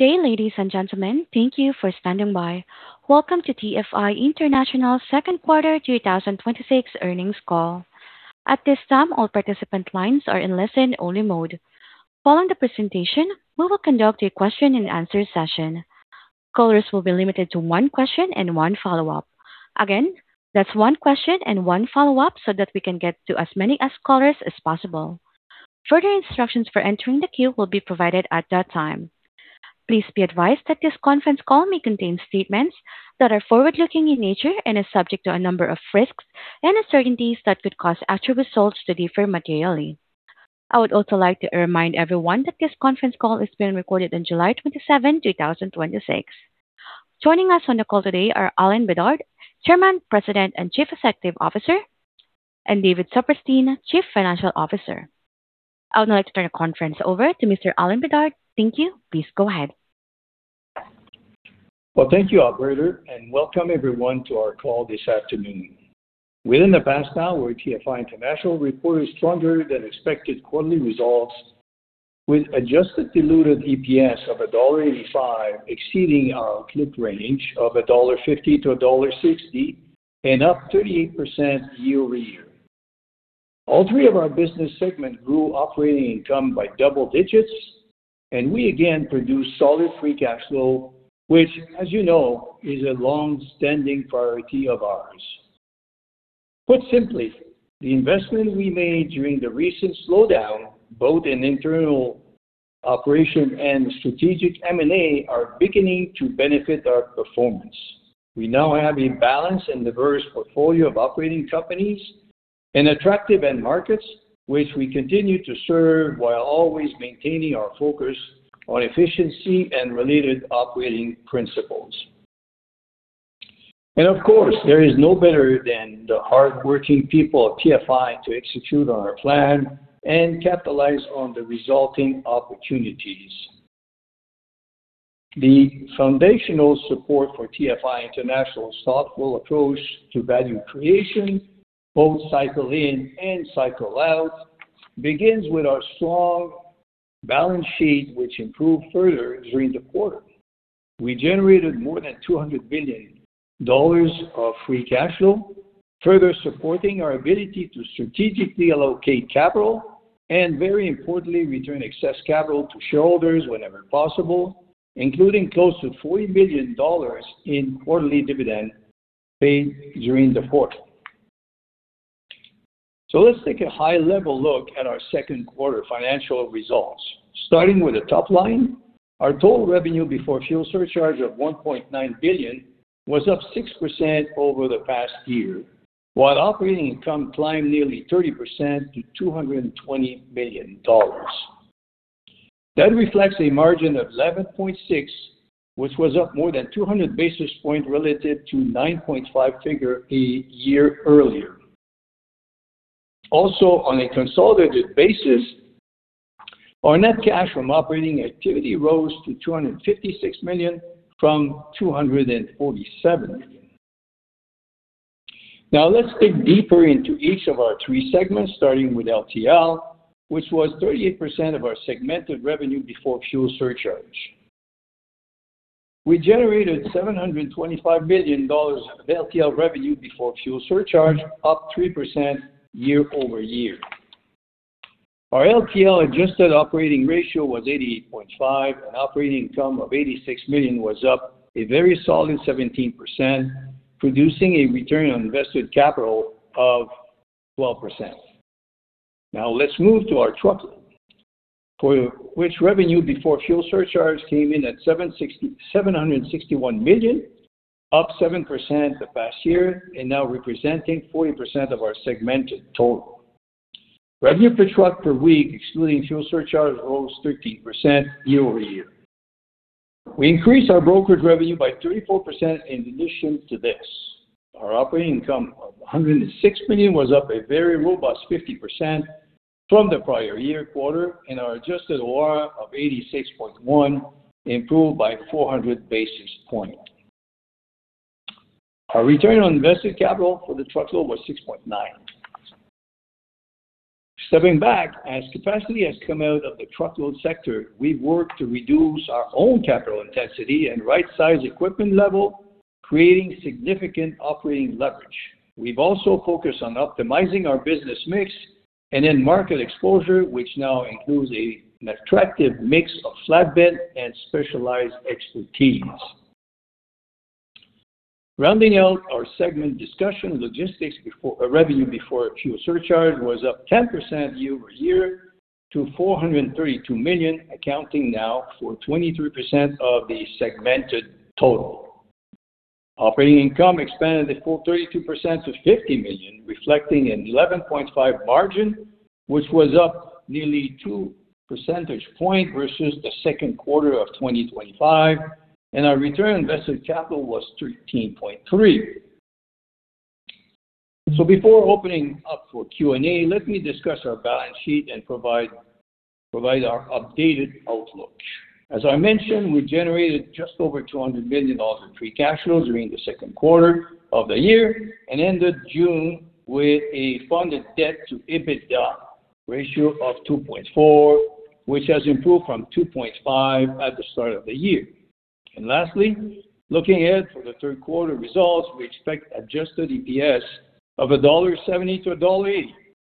Good day, ladies and gentlemen. Thank you for standing by. Welcome to TFI International second quarter 2026 earnings call. At this time, all participant lines are in listen only mode. Following the presentation, we will conduct a question-and-answer session. Callers will be limited to one question and one follow-up. Again, that's one question and one follow-up so that we can get to as many callers as possible. Further instructions for entering the queue will be provided at that time. Please be advised that this conference call may contain statements that are forward-looking in nature and are subject to a number of risks and uncertainties that could cause actual results to differ materially. I would also like to remind everyone that this conference call is being recorded on July 27, 2026. Joining us on the call today are Alain Bédard, Chairman, President, and Chief Executive Officer, and David Saperstein, Chief Financial Officer. I would now like to turn the conference over to Mr. Alain Bédard. Thank you. Please go ahead. Thank you, operator, and welcome everyone to our call this afternoon. Within the past hour, TFI International reported stronger than expected quarterly results with adjusted diluted EPS of 1.85 dollar, exceeding our clip range of 1.50-1.60 dollar and up 38% year-over-year. All three of our business segments grew operating income by double digits, and we again produced solid free cash flow, which, as you know, is a longstanding priority of ours. Put simply, the investment we made during the recent slowdown, both in internal operation and strategic M&A, are beginning to benefit our performance. We now have a balanced and diverse portfolio of operating companies in attractive end markets, which we continue to serve while always maintaining our focus on efficiency and related operating principles. There is no better than the hardworking people of TFI to execute on our plan and capitalize on the resulting opportunities. The foundational support for TFI International's thoughtful approach to value creation, both cycle in and cycle out, begins with our strong balance sheet, which improved further during the quarter. We generated more than 200 million dollars of free cash flow, further supporting our ability to strategically allocate capital and, very importantly, return excess capital to shareholders whenever possible, including close to 40 million dollars in quarterly dividend paid during the quarter. Let's take a high-level look at our second quarter financial results. Starting with the top line, our total revenue before fuel surcharge of 1.9 billion was up 6% over the past year, while operating income climbed nearly 30% to 220 million dollars. That reflects a margin of 11.6, which was up more than 200 basis points relative to the 9.5 figure a year earlier. On a consolidated basis, our net cash from operating activity rose to 256 million from 247 million. Let's dig deeper into each of our three segments, starting with LTL, which was 38% of our segmented revenue before fuel surcharge. We generated 725 million dollars of LTL revenue before fuel surcharge, up 3% year-over-year. Our LTL adjusted operating ratio was 88.5%, and operating income of 86 million was up a very solid 17%, producing a return on invested capital of 12%. Let's move to our truck, for which revenue before fuel surcharge came in at 761 million, up 7% the past year and now representing 40% of our segmented total. Revenue per truck per week, excluding fuel surcharge, rose 13% year-over-year. We increased our brokerage revenue by 34% in addition to this. Our operating income of 106 million was up a very robust 50% from the prior year quarter, and our adjusted OR of 86.1 improved by 400 basis points. Our return on invested capital for the truckload was 6.9. Stepping back, as capacity has come out of the truckload sector, we've worked to reduce our own capital intensity and right-size equipment level, creating significant operating leverage. We've also focused on optimizing our business mix and end market exposure, which now includes an attractive mix of flatbed and specialized expertise. Rounding out our segment discussion, logistics revenue before fuel surcharge was up 10% year-over-year to 432 million, accounting now for 23% of the segmented total. Operating income expanded a full 32% to 50 million, reflecting an 11.5 margin, which was up nearly 2 percentage points versus the second quarter of 2025, and our return on invested capital was 13.3. Before opening up for Q&A, let me discuss our balance sheet and provide our updated outlook. As I mentioned, we generated just over 200 million dollars in free cash flow during the second quarter of the year and ended June with a funded debt-to-EBITDA ratio of 2.4, which has improved from 2.5 at the start of the year. Lastly, looking ahead for the third quarter results, we expect adjusted EPS of 1.70-1.80 dollar,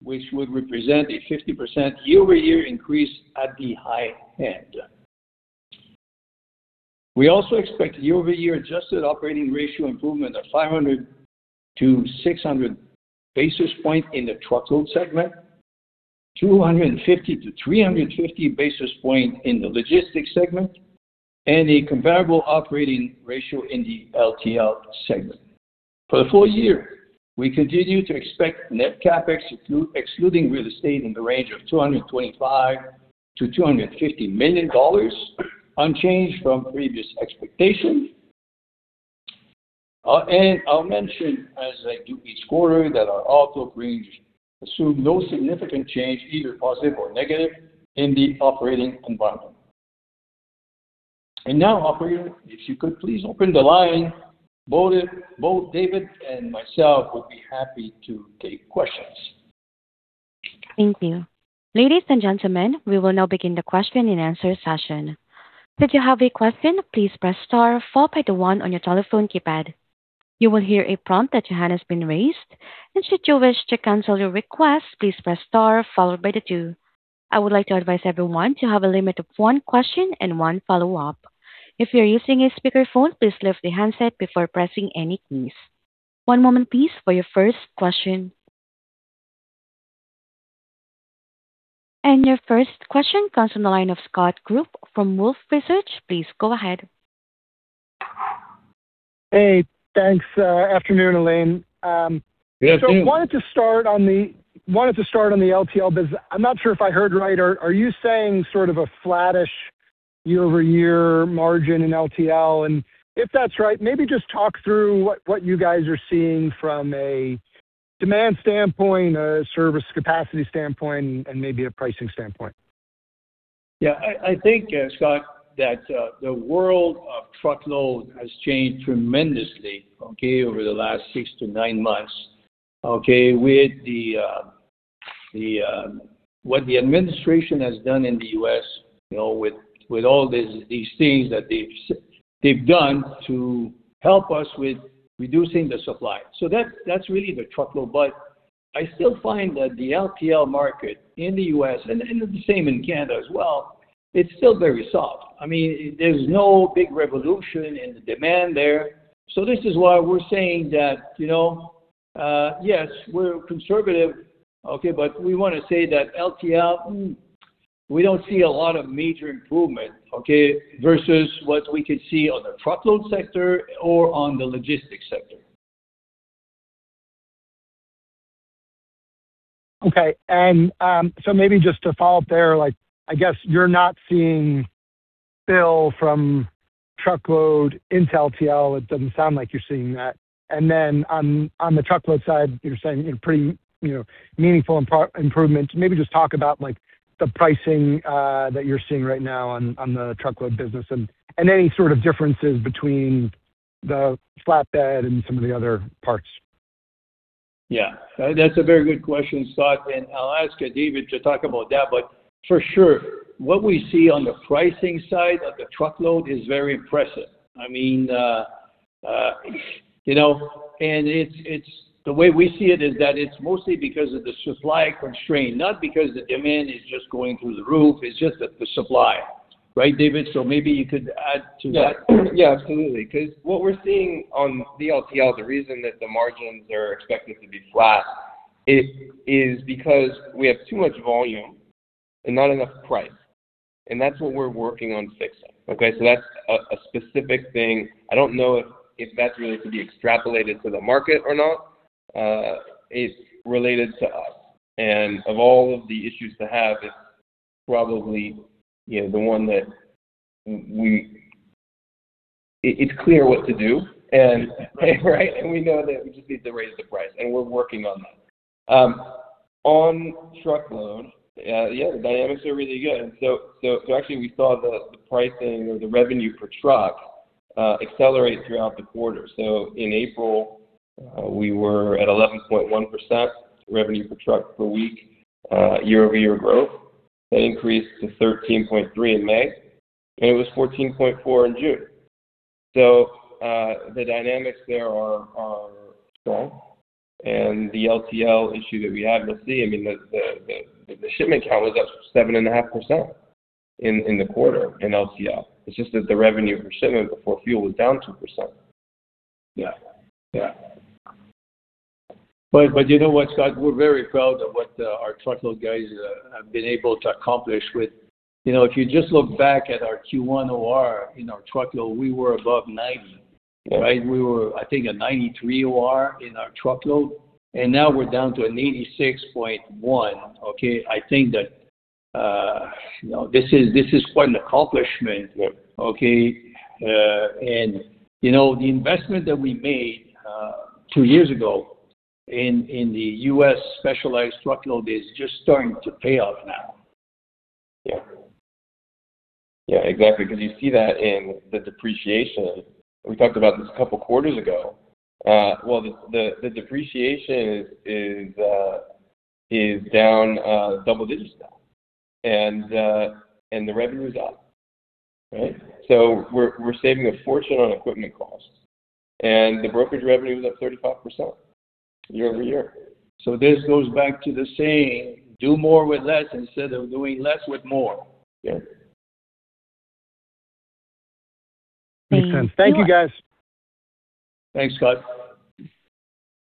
which would represent a 50% year-over-year increase at the high end. We also expect year-over-year adjusted operating ratio improvement of 500-600 basis point in the truckload segment, 250-350 basis point in the logistics segment, and a comparable operating ratio in the LTL segment. For the full year, we continue to expect net CapEx, excluding real estate, in the range of 225 million-250 million dollars, unchanged from previous expectations. I'll mention, as I do each quarter, that our outlook range assume no significant change, either positive or negative, in the operating environment. Now, operator, if you could please open the line. Both David and myself would be happy to take questions. Thank you. Ladies and gentlemen, we will now begin the question-and-answer session. If you have a question, please press star followed by the one on your telephone keypad. You will hear a prompt that your hand has been raised, and should you wish to cancel your request, please press star followed by the two. I would like to advise everyone to have a limit of one question and one follow-up. If you're using a speakerphone, please lift the handset before pressing any keys. One moment please for your first question. Your first question comes from the line of Scott Group from Wolfe Research. Please go ahead. Hey, thanks. Afternoon, Alain. Good afternoon. I wanted to start on the LTL business. I'm not sure if I heard right. Are you saying sort of a flattish year-over-year margin in LTL? If that's right, maybe just talk through what you guys are seeing from a demand standpoint, a service capacity standpoint, and maybe a pricing standpoint. I think, Scott, that the world of truckload has changed tremendously over the last six to nine months. With what the administration has done in the U.S., with all these things that they've done to help us with reducing the supply. That's really the truckload. I still find that the LTL market in the U.S., and the same in Canada as well, it's still very soft. There's no big revolution in the demand there. This is why we're saying that, yes, we're conservative, but we want to say that LTL, we don't see a lot of major improvement versus what we could see on the truckload sector or on the logistics sector. Maybe just to follow up there, I guess you're not seeing spill from truckload into LTL. It doesn't sound like you're seeing that. On the truckload side, you're saying pretty meaningful improvement. Maybe just talk about the pricing that you're seeing right now on the truckload business and any sort of differences between the flatbed and some of the other parts. That's a very good question, Scott, and I'll ask David to talk about that. For sure, what we see on the pricing side of the truckload is very impressive. The way we see it is that it's mostly because of the supply constraint, not because the demand is just going through the roof. It's just the supply. Right, David? Maybe you could add to that. Absolutely. Because what we're seeing on the LTL, the reason that the margins are expected to be flat is because we have too much volume and not enough price. That's what we're working on fixing. That's a specific thing. I don't know if that really could be extrapolated to the market or not. It's related to us. Of all of the issues to have, it's probably the one that it's clear what to do and we know that we just need to raise the price, and we're working on that. On truckload, the dynamics are really good. Actually we saw the pricing or the revenue per truck accelerate throughout the quarter. In April, we were at 11.1% revenue per truck per week year-over-year growth. That increased to 13.3% in May, and it was 14.4% in June. The dynamics there are strong. The LTL issue that we have, let's see, I mean, the shipment count was up 7.5% in the quarter in LTL. It's just that the revenue per shipment before fuel was down 2%. Yeah. You know what, Scott? We're very proud of what our truckload guys have been able to accomplish with If you just look back at our Q1 OR in our truckload, we were above 90. Yeah. Right? We were, I think, a 93 OR in our truckload, and now we're down to an 86.1, okay. I think that this is quite an accomplishment. Okay. The investment that we made two years ago in the U.S. specialized truckload is just starting to pay off. Yeah. Exactly, because you see that in the depreciation. We talked about this a couple of quarters ago. Well, the depreciation is down double digits now, and the revenue is up. We're saving a fortune on equipment costs, and the brokerage revenue is up 35% year-over-year. This goes back to the saying, do more with less instead of doing less with more. Yeah. Thanks. Thank you, guys. Thanks, Scott.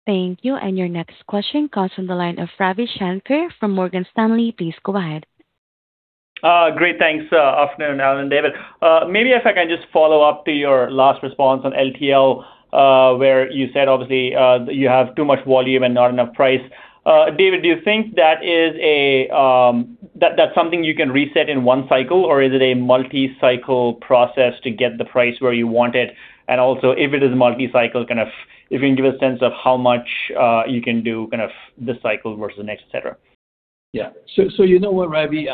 Thank you. Your next question comes from the line of Ravi Shanker from Morgan Stanley. Please go ahead. Great. Thanks. Afternoon, Alain and David. Maybe if I can just follow up to your last response on LTL, where you said, obviously, you have too much volume and not enough price. David, do you think that's something you can reset in one cycle, or is it a multi-cycle process to get the price where you want it? Also, if it is multi-cycle, if you can give a sense of how much you can do this cycle versus the next, etcetera? Yeah. You know what, Ravi?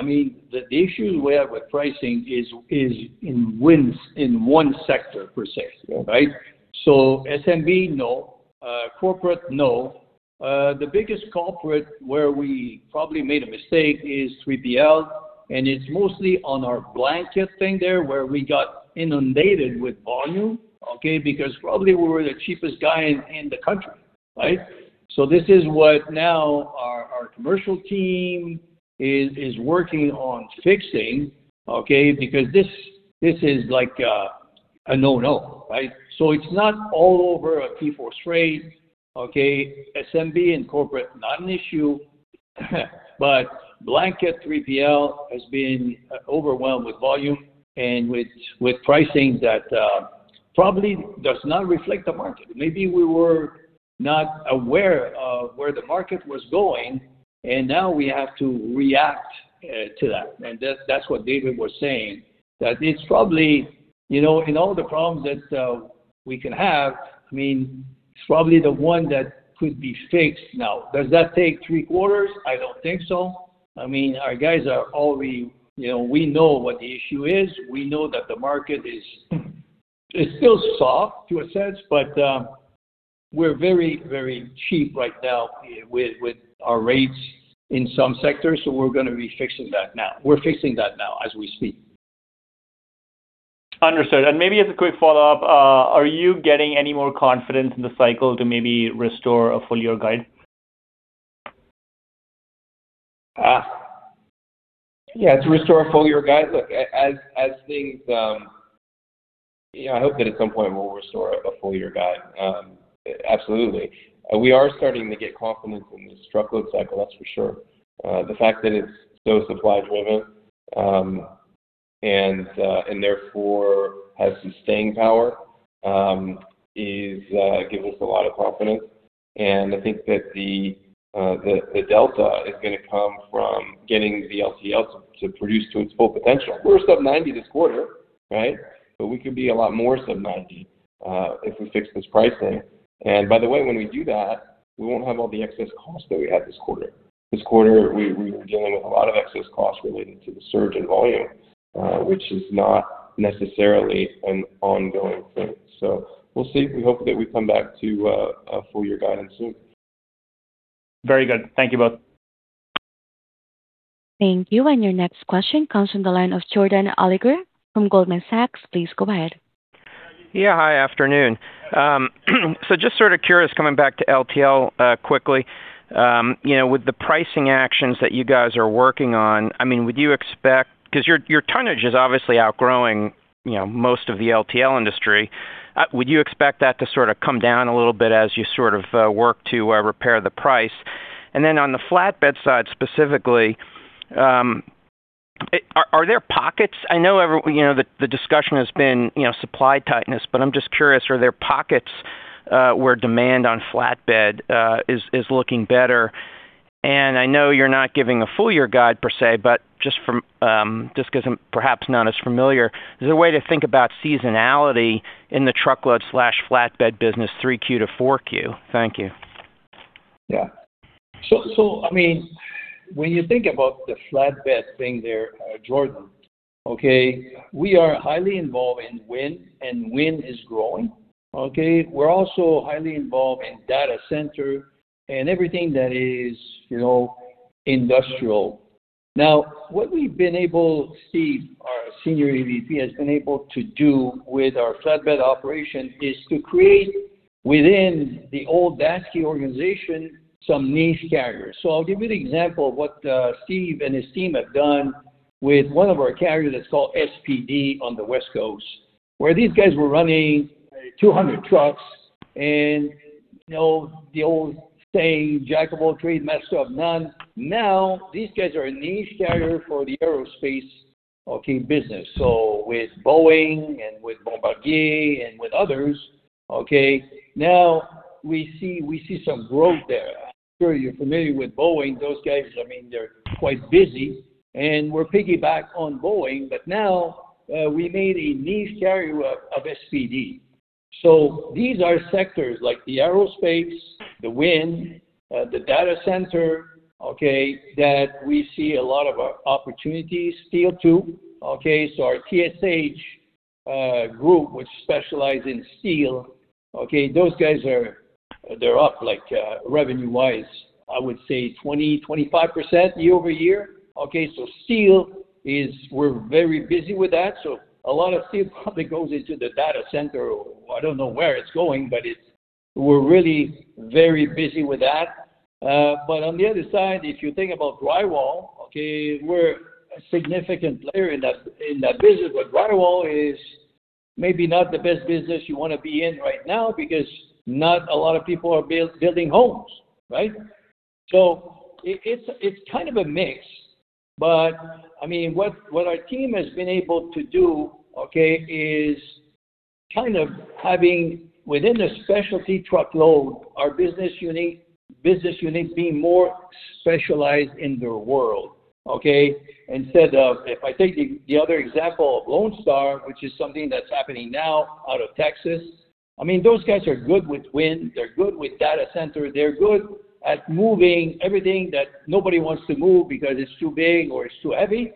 The issue we have with pricing is in wins in one sector per se, right? SMB, no. Corporate, no. The biggest culprit where we probably made a mistake is 3PL, and it's mostly on our blanket thing there, where we got inundated with volume, okay? Because probably we were the cheapest guy in the country, right? This is what now our commercial team is working on fixing, okay? Because this is like a no-no, right? It's not all over a TForce Freight, okay? SMB and corporate, not an issue. Blanket 3PL has been overwhelmed with volume and with pricing that probably does not reflect the market. Maybe we were not aware of where the market was going, and now we have to react to that. That's what David was saying, that in all the problems that we can have, it's probably the one that could be fixed now. Does that take three quarters? I don't think so. Our guys, we know what the issue is. We know that the market is still soft, to a sense. We're very cheap right now with our rates in some sectors. We're going to be fixing that now. We're fixing that now as we speak. Understood. Maybe as a quick follow-up, are you getting any more confidence in the cycle to maybe restore a full-year guide? Yeah. To restore a full-year guide. Look, I hope that at some point we'll restore a full-year guide. Absolutely. We are starting to get confidence in this truckload cycle, that's for sure. The fact that it's so supply driven, and therefore has some staying power, is giving us a lot of confidence. I think that the delta is going to come from getting the LTL to produce to its full potential. We're sub 90 this quarter, right? We could be a lot more sub 90 if we fix this pricing. By the way, when we do that, we won't have all the excess cost that we had this quarter. This quarter, we were dealing with a lot of excess costs related to the surge in volume, which is not necessarily an ongoing thing. We'll see. We hope that we come back to a full year guidance soon. Very good. Thank you both. Thank you. Your next question comes from the line of Jordan Alliger from Goldman Sachs. Please go ahead. Yeah. Hi, afternoon. Just sort of curious, coming back to LTL quickly. With the pricing actions that you guys are working on, would you expect that to sort of come down a little bit as you sort of work to repair the price? Then on the flatbed side specifically, are there pockets? I know the discussion has been supply tightness, but I'm just curious, are there pockets where demand on flatbed is looking better? I know you're not giving a full year guide per se, but just because I'm perhaps not as familiar, is there a way to think about seasonality in the truckload/flatbed business 3Q to 4Q? Thank you. Yeah. When you think about the flatbed thing there, Jordan, okay, we are highly involved in wind, and wind is growing, okay? We're also highly involved in data center and everything that is industrial. What we've been able, Steve, our Senior EVP, has been able to do with our flatbed operation is to create within the old Daseke organization, some niche carriers. I'll give you an example of what Steve and his team have done with one of our carriers that's called SPD on the West Coast, where these guys were running 200 trucks and the old saying, jack of all trades, master of none. These guys are a niche carrier for the aerospace business. With Boeing and with Bombardier and with others, okay, we see some growth there. I'm sure you're familiar with Boeing. Those guys, they're quite busy. We're piggybacked on Boeing. Now, we made a niche carrier of SPD. These are sectors like the aerospace, the wind, the data center, okay, that we see a lot of opportunities. Steel, too. Okay, our TSH group, which specialize in steel, okay, those guys they're up, revenue-wise, I would say 20%-25% year-over-year. Okay, steel is we're very busy with that. A lot of steel probably goes into the data center or I don't know where it's going, but we're really very busy with that. On the other side, if you think about drywall, okay, we're a significant player in that business. Drywall is maybe not the best business you want to be in right now because not a lot of people are building homes, right? It's kind of a mix, but, I mean, what our team has been able to do, okay, is kind of having within the specialty truckload, our business unit being more specialized in their world, okay? Instead of, if I take the other example of Lone Star, which is something that's happening now out of Texas. I mean, those guys are good with wind, they're good with data center, they're good at moving everything that nobody wants to move because it's too big or it's too heavy,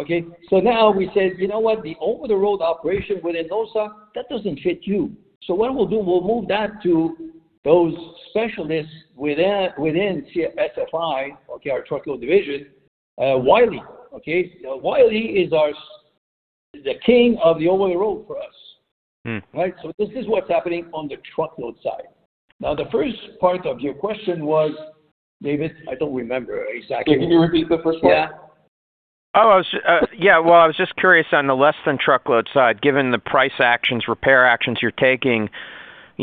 okay? We said, you know what? The over-the-road operation within Daseke, that doesn't fit you. What we'll do, we'll move that to those specialists within TFI, okay, our truckload division, Wylie, okay? Wylie is the king of the over-the-road for us. Right? This is what's happening on the truckload side. The first part of your question was, David, I don't remember exactly. Yeah, can you repeat the first part? Yeah. Oh, yeah. Well, I was just curious on the less-than-truckload side, given the price actions, repair actions you're taking-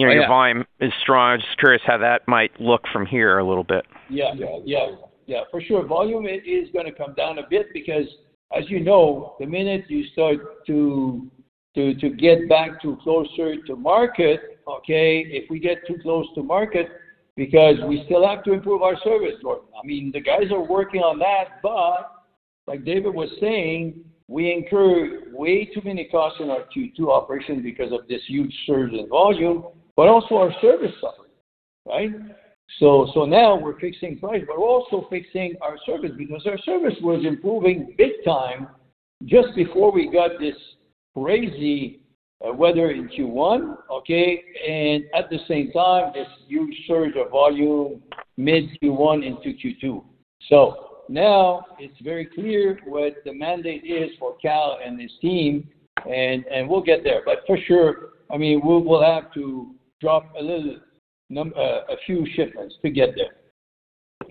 Oh, yeah. volume is strong. I was just curious how that might look from here a little bit. Yeah. For sure. Volume is going to come down a bit because, as you know, the minute you start to get back to closer to market, okay, if we get too close to market, because we still have to improve our service. I mean, the guys are working on that, but like David was saying, we incur way too many costs in our Q2 operations because of this huge surge in volume, but also our service suffered, right? Now it's very clear what the mandate is for Cal and his team, and we'll get there. For sure, I mean, we'll have to drop a few shipments to get there.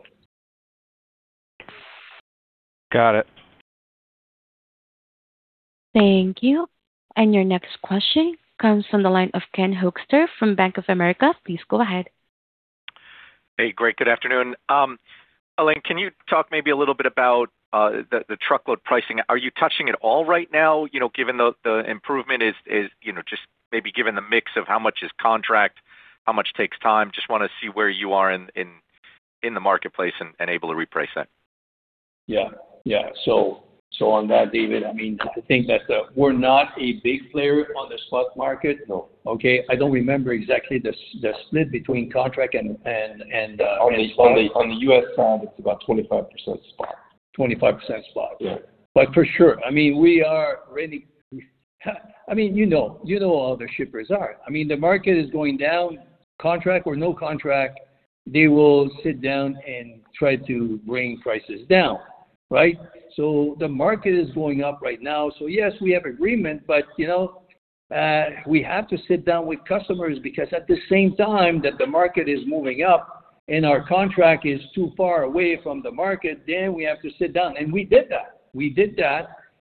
Got it. Thank you. Your next question comes from the line of Ken Hoexter from Bank of America. Please go ahead. Hey, great. Good afternoon. Alain, can you talk maybe a little bit about the truckload pricing? Are you touching at all right now, given the improvement is just maybe given the mix of how much is contract, how much takes time? Just want to see where you are in the marketplace and able to reprice that. Yeah. On that, David, I mean, I think that we're not a big player on the spot market. No. Okay. I don't remember exactly the split between contract and spot. On the U.S. side, it's about 25% spot. 25% spot. Yeah. For sure, I mean, you know how the shippers are. I mean, the market is going down. Contract or no contract, they will sit down and try to bring prices down, right? The market is going up right now. Yes, we have agreement, but we have to sit down with customers because at the same time that the market is moving up and our contract is too far away from the market, then we have to sit down. We did that. We did that.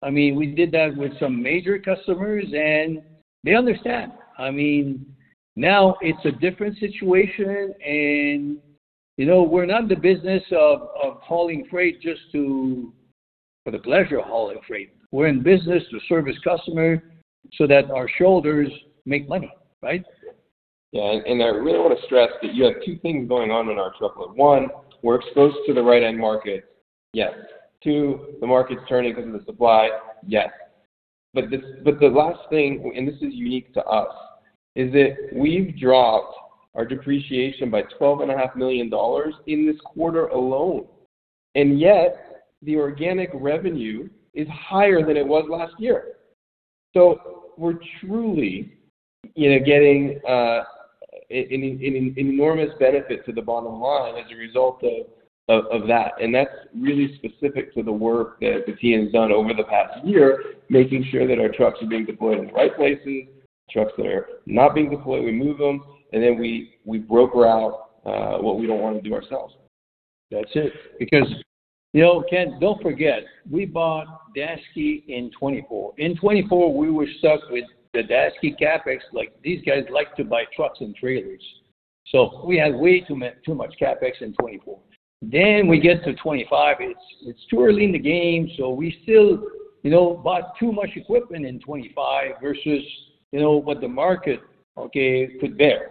I mean, we did that with some major customers, and they understand. I mean, now it's a different situation. We're not in the business of hauling freight just for the pleasure of hauling freight. We're in business to service customers so that our shareholders make money, right? Yeah. I really want to stress that you have two things going on in our truckload. One, we're exposed to the right-end market, yes. Two, the market's turning because of the supply, yes. The last thing, and this is unique to us, is that we've dropped our depreciation by 12.5 million dollars in this quarter alone, and yet the organic revenue is higher than it was last year. We're truly getting an enormous benefit to the bottom line as a result of that. That's really specific to the work that the team has done over the past year, making sure that our trucks are being deployed in the right places. Trucks that are not being deployed, we move them, and then we broker out what we don't want to do ourselves. That's it. Ken, don't forget, we bought Daseke in 2024. In 2024, we were stuck with the Daseke CapEx, like these guys like to buy trucks and trailers. We had way too much CapEx in 2024. We get to 2025, it's too early in the game, so we still bought too much equipment in 2025 versus what the market, okay, could bear.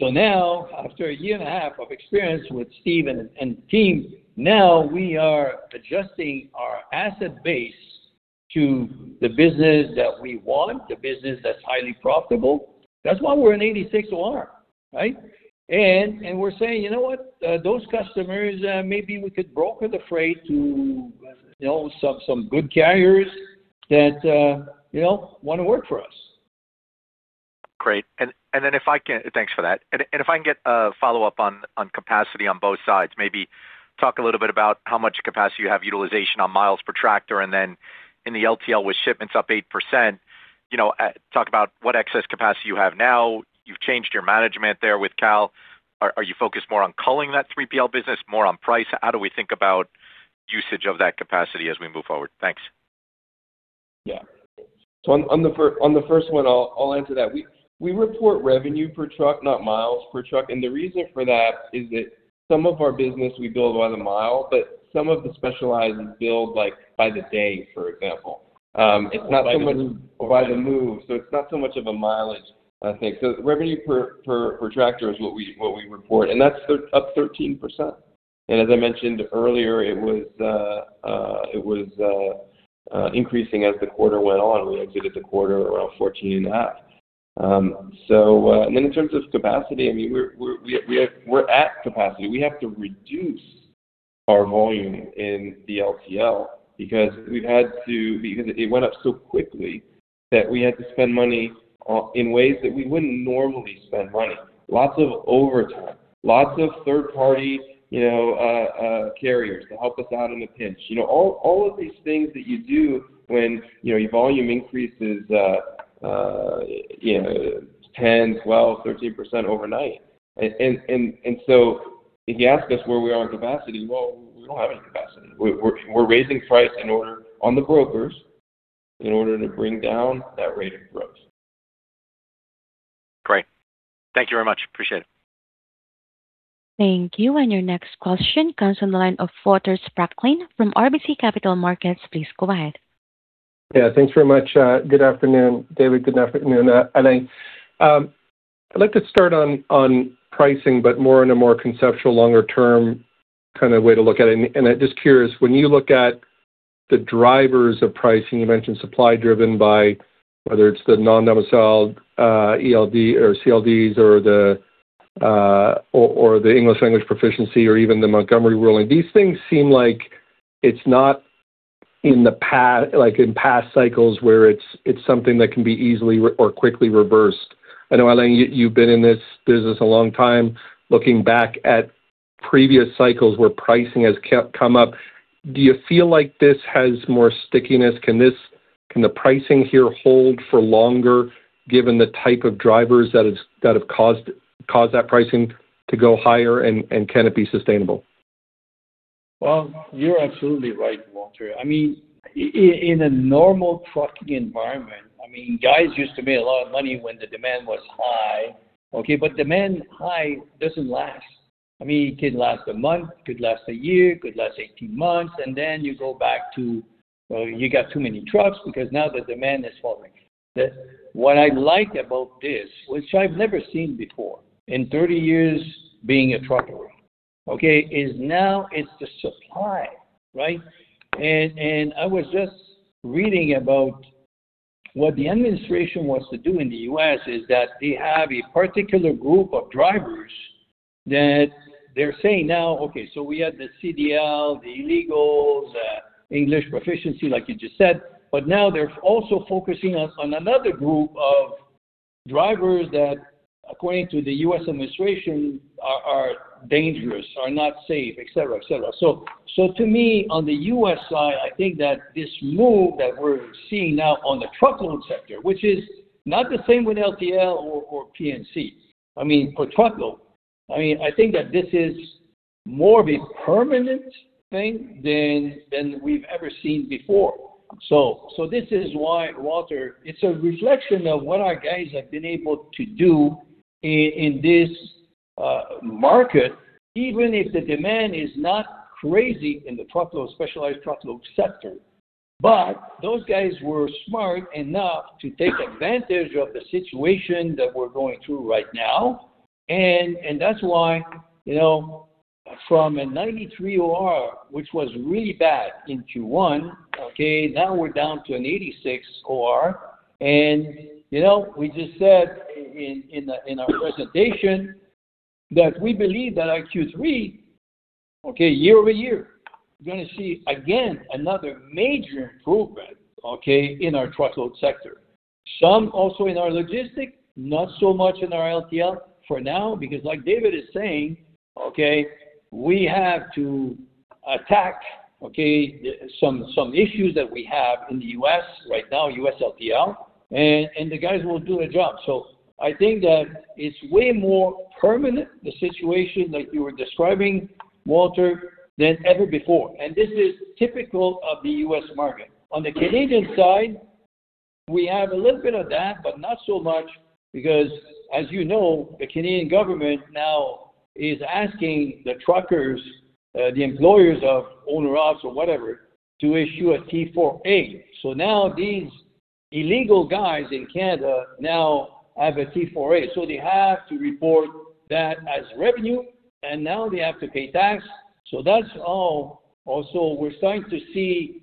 Now, after a year and a half of experience with Steve and the team, now we are adjusting our asset base to the business that we want, the business that's highly profitable. That's why we're in 86 OR, right? We're saying, you know what? Those customers, maybe we could broker the freight to some good carriers that want to work for us. Great. Thanks for that. If I can get a follow-up on capacity on both sides, maybe talk a little bit about how much capacity you have utilization on miles per tractor, and then in the LTL with shipments up 8%, talk about what excess capacity you have now. You've changed your management there with Cal. Are you focused more on culling that 3PL business, more on price? How do we think about usage of that capacity as we move forward? Thanks. Yeah. On the first one, I'll answer that. We report revenue per truck, not miles per truck. The reason for that is that some of our business we build by the mile, but some of the specialized is billed like by the day, for example. It's not so much by the move, so it's not so much of a mileage, I think. Revenue per tractor is what we report, and that's up 13%. As I mentioned earlier, it was increasing as the quarter went on. We exited the quarter around 14.5. In terms of capacity, we're at capacity. We have to reduce our volume in the LTL because it went up so quickly that we had to spend money in ways that we wouldn't normally spend money. Lots of overtime, lots of third-party carriers to help us out in a pinch. All of these things that you do when your volume increases 10%, 12%, 13% overnight. If you ask us where we are on capacity, well, we don't have any capacity. We're raising price on the brokers in order to bring down that rate of growth. Great. Thank you very much. Appreciate it. Thank you. Your next question comes on the line of Walter Spracklin from RBC Capital Markets. Please go ahead. Yeah. Thanks very much. Good afternoon, David. Good afternoon, Alain. I'd like to start on pricing, more in a more conceptual, longer term kind of way to look at it. I'm just curious, when you look at the drivers of pricing, you mentioned supply driven by whether it's the non-domiciled ELD or CDLs or the English language proficiency or even the Montgomery ruling. These things seem like it's not like in past cycles where it's something that can be easily or quickly reversed. I know, Alain, you've been in this business a long time. Looking back at previous cycles where pricing has come up, do you feel like this has more stickiness? Can the pricing here hold for longer given the type of drivers that have caused that pricing to go higher, and can it be sustainable? You're absolutely right, Walter. In a normal trucking environment, guys used to make a lot of money when the demand was high. Demand high doesn't last. It could last a month, could last a year, could last 18 months, then you got too many trucks because now the demand is falling. What I like about this, which I've never seen before in 30 years being a trucker, is now it's the supply, right? I was just reading about what the administration wants to do in the U.S. is that they have a particular group of drivers that they're saying now, we had the CDL, the illegals, the English proficiency, like you just said, they're also focusing on another group of drivers that, according to the U.S. administration, are dangerous, are not safe, et cetera. To me, on the U.S. side, I think that this move that we're seeing now on the truckload sector, which is not the same with LTL or P&C. For truckload, I think that this is more of a permanent thing than we've ever seen before. This is why, Walter, it's a reflection of what our guys have been able to do in this market, even if the demand is not crazy in the truckload, specialized truckload sector. Those guys were smart enough to take advantage of the situation that we're going through right now, and that's why from a 93 OR, which was really bad in Q1, now we're down to an 86 OR. We just said in our presentation that we believe that our Q3, year-over-year, we're going to see, again, another major improvement in our truckload sector. Some also in our logistics, not so much in our LTL for now, because like David is saying, we have to attack some issues that we have in the U.S. right now, U.S. LTL, and the guys will do a job. I think that it's way more permanent, the situation that you were describing, Walter, than ever before, and this is typical of the U.S. market. On the Canadian side, we have a little bit of that, not so much because, as you know, the Canadian government now is asking the truckers, the employers of owner ops or whatever, to issue a T4A. Now these illegal guys in Canada now have a T4A, they have to report that as revenue, and now they have to pay tax. That's all. We're starting to see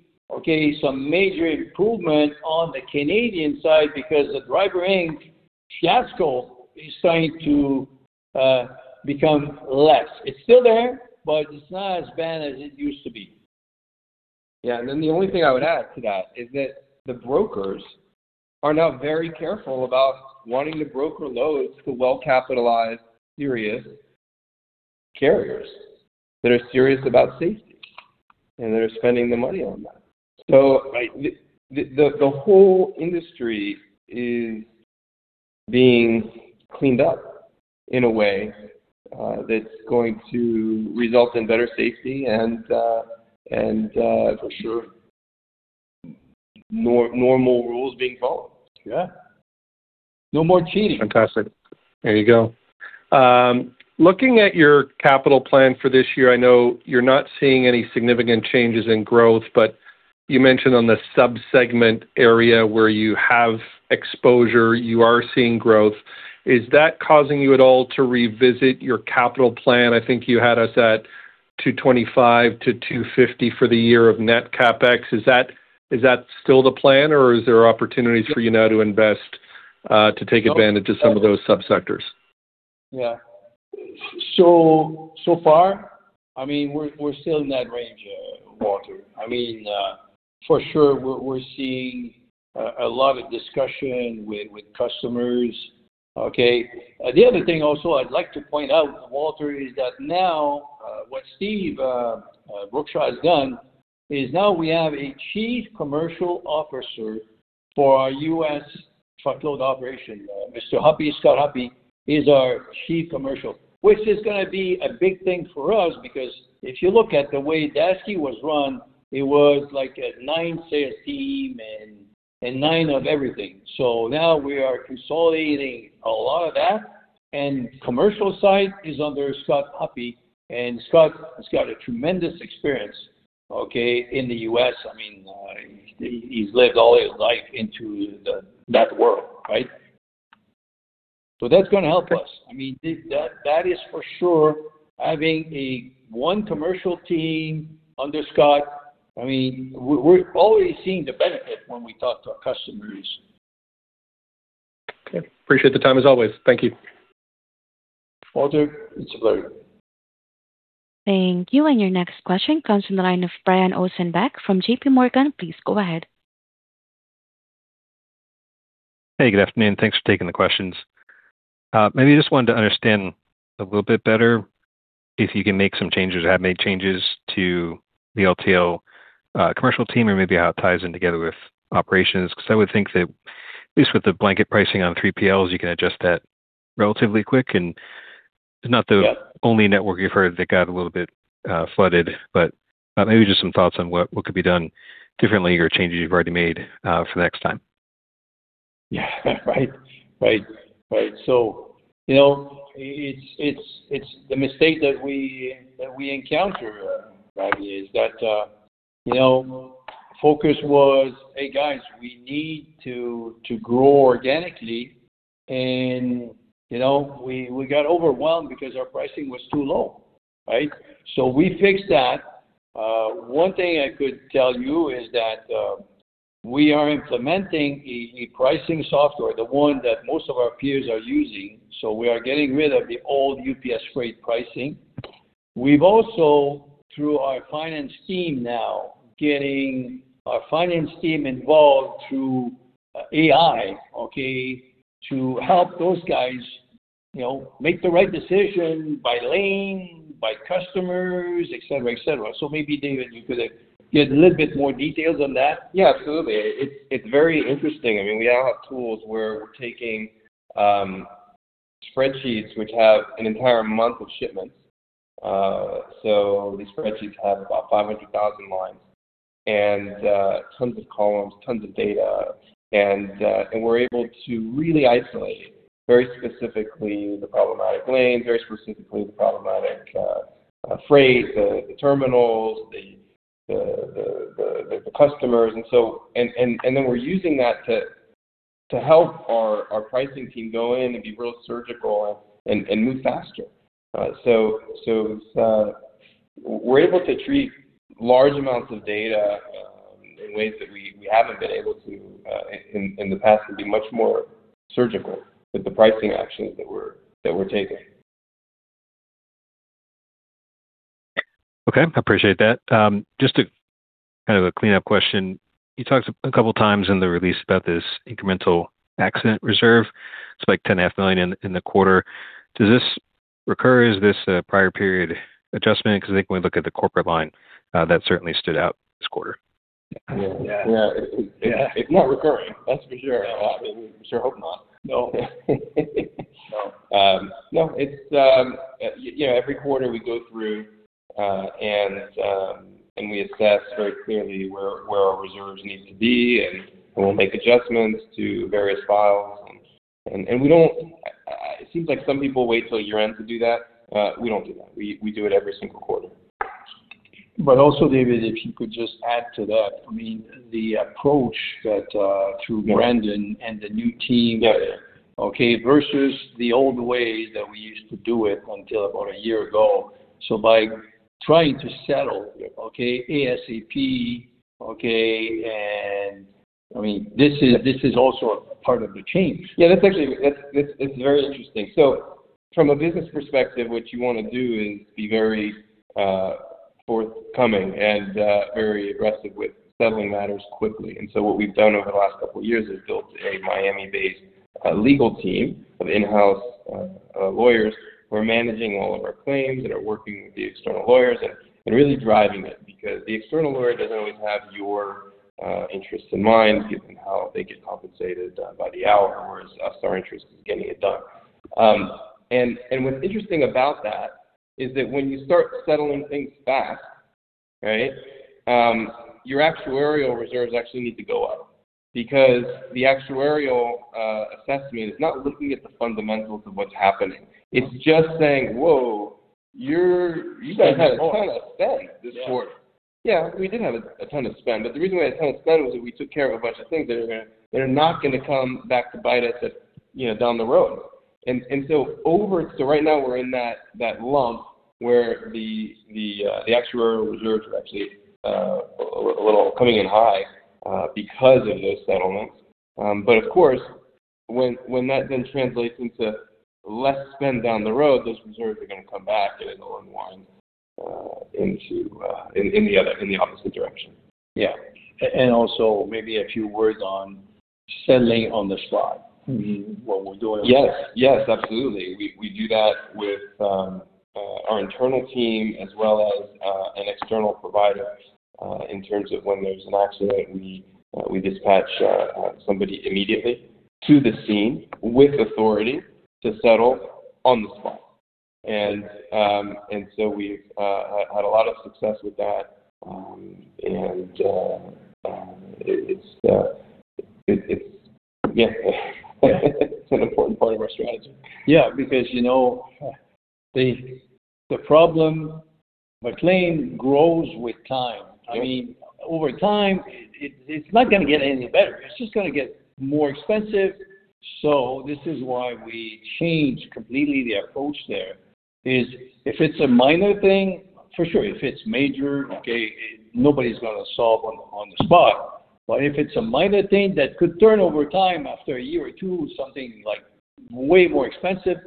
some major improvement on the Canadian side because the Driver Inc. fiasco is starting to become less. It's still there, it's not as bad as it used to be. Yeah. The only thing I would add to that is that the brokers are now very careful about wanting to broker loads to well-capitalized, serious carriers that are serious about safety, and that are spending the money on that. The whole industry is being cleaned up in a way that's going to result in better safety and for sure, normal rules being followed. Yeah. No more cheating. Fantastic. There you go. Looking at your capital plan for this year, I know you're not seeing any significant changes in growth, you mentioned on the sub-segment area where you have exposure, you are seeing growth. Is that causing you at all to revisit your capital plan? I think you had us at 225 million-250 million for the year of net CapEx. Is that still the plan, or are there opportunities for you now to invest to take advantage of some of those sub-sectors? Yeah. So far, we're still in that range, Walter. For sure, we're seeing a lot of discussion with customers. Okay. The other thing also I'd like to point out, Walter, is that now what Steve has done is now we have a Chief Commercial Officer for our U.S. truckload operation. Mr. Hoppe, Scott Hoppe, is our Chief Commercial, which is going to be a big thing for us because if you look at the way Daseke was run, it was like a nine sales team and nine of everything. Now we are consolidating a lot of that, and commercial side is under Scott Hoppe, and Scott has got a tremendous experience, okay, in the U.S. He's lived all his life into that world, right? That's going to help us. That is for sure, having a one commercial team under Scott. We're already seeing the benefit when we talk to our customers. Okay. Appreciate the time as always. Thank you. Walter, it's a pleasure. Thank you. Your next question comes from the line of Brian Ossenbeck from JPMorgan. Please go ahead. Hey, good afternoon. Thanks for taking the questions. Maybe just wanted to understand a little bit better if you can make some changes or have made changes to the LTL commercial team or maybe how it ties in together with operations, because I would think that at least with the blanket pricing on 3PLs, you can adjust that relatively quick and not the only network you've heard that got a little bit flooded, maybe just some thoughts on what could be done differently or changes you've already made for the next time. Yeah. Right. It's the mistake that we encounter, Brian, is that focus was, hey, guys, we need to grow organically. We got overwhelmed because our pricing was too low, right? We fixed that. One thing I could tell you is that we are implementing a pricing software, the one that most of our peers are using. We are getting rid of the old UPS freight pricing. We've also, through our finance team now, getting our finance team involved through AI, okay, to help those guys make the right decision by lane, by customers, et cetera. Maybe David, you could give a little bit more details on that. Yeah, absolutely. It's very interesting. We now have tools where we're taking spreadsheets which have an entire month of shipments. These spreadsheets have about 500,000 lines and tons of columns, tons of data, and we're able to really isolate very specifically the problematic lanes, very specifically the problematic freight, the terminals, the customers, and then we're using that to help our pricing team go in and be real surgical and move faster. We're able to treat large amounts of data in ways that we haven't been able to in the past and be much more surgical with the pricing actions that we're taking. Okay. Appreciate that. Just a cleanup question. You talked a couple of times in the release about this incremental accident reserve. It's like 10.5 million in the quarter. Does this recur? Is this a prior period adjustment? I think when we look at the corporate line, that certainly stood out this quarter. Yeah. Yeah. It's not recurring, that's for sure. We sure hope not. No. Every quarter we go through, we assess very clearly where our reserves need to be, we'll make adjustments to various files, it seems like some people wait till year-end to do that. We don't do that. We do it every single quarter. Also, David, if you could just add to that, the approach that through Brandon and the new team. Yeah. Versus the old way that we used to do it until about a year ago. By trying to settle ASAP, this is also part of the change. Yeah, that's actually, it's very interesting. From a business perspective, what you want to do is be very forthcoming and very aggressive with settling matters quickly. What we've done over the last couple of years is built a Miami-based legal team of in-house lawyers who are managing all of our claims and are working with the external lawyers and really driving it. The external lawyer doesn't always have your interests in mind, given how they get compensated by the hour, whereas us, our interest is getting it done. What's interesting about that is that when you start settling things fast, your actuarial reserves actually need to go up. The actuarial assessment is not looking at the fundamentals of what's happening. It's just saying, whoa. You guys had a ton of spend this quarter. Yeah, we did have a ton of spend, the reason we had a ton of spend was that we took care of a bunch of things that are not going to come back to bite us down the road. Right now, we're in that lump where the actuarial reserves are actually a little coming in high because of those settlements. Of course, when that then translates into less spend down the road, those reserves are going to come back and it'll unwind in the opposite direction. Yeah. Also maybe a few words on settling on the spot, what we're doing. Yes, absolutely. We do that with our internal team as well as an external provider. In terms of when there's an accident, we dispatch somebody immediately to the scene with authority to settle on the spot. So we've had a lot of success with that, and it's, yeah, it's an important part of our strategy. Yeah, because the problem, a claim grows with time. Over time, it's not going to get any better. It's just going to get more expensive. This is why we changed completely the approach there is if it's a minor thing, for sure, if it's major, okay, nobody's going to solve on the spot. If it's a minor thing that could turn over time, after a year or two, something way more expensive.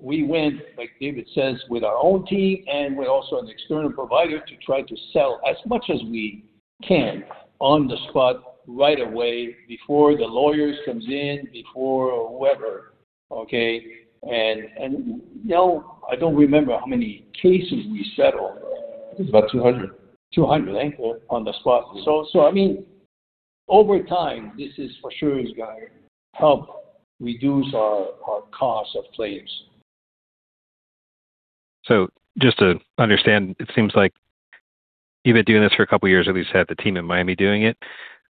We went, like David says, with our own team and with also an external provider to try to settle as much as we can on the spot right away before the lawyers comes in, before whoever, okay? Now I don't remember how many cases we settled. It's about 200. 200, eh? Yeah. On the spot. Over time, this is for sure, is going to help reduce our cost of claims. Just to understand, it seems like you've been doing this for a couple of years, at least had the team in Miami doing it.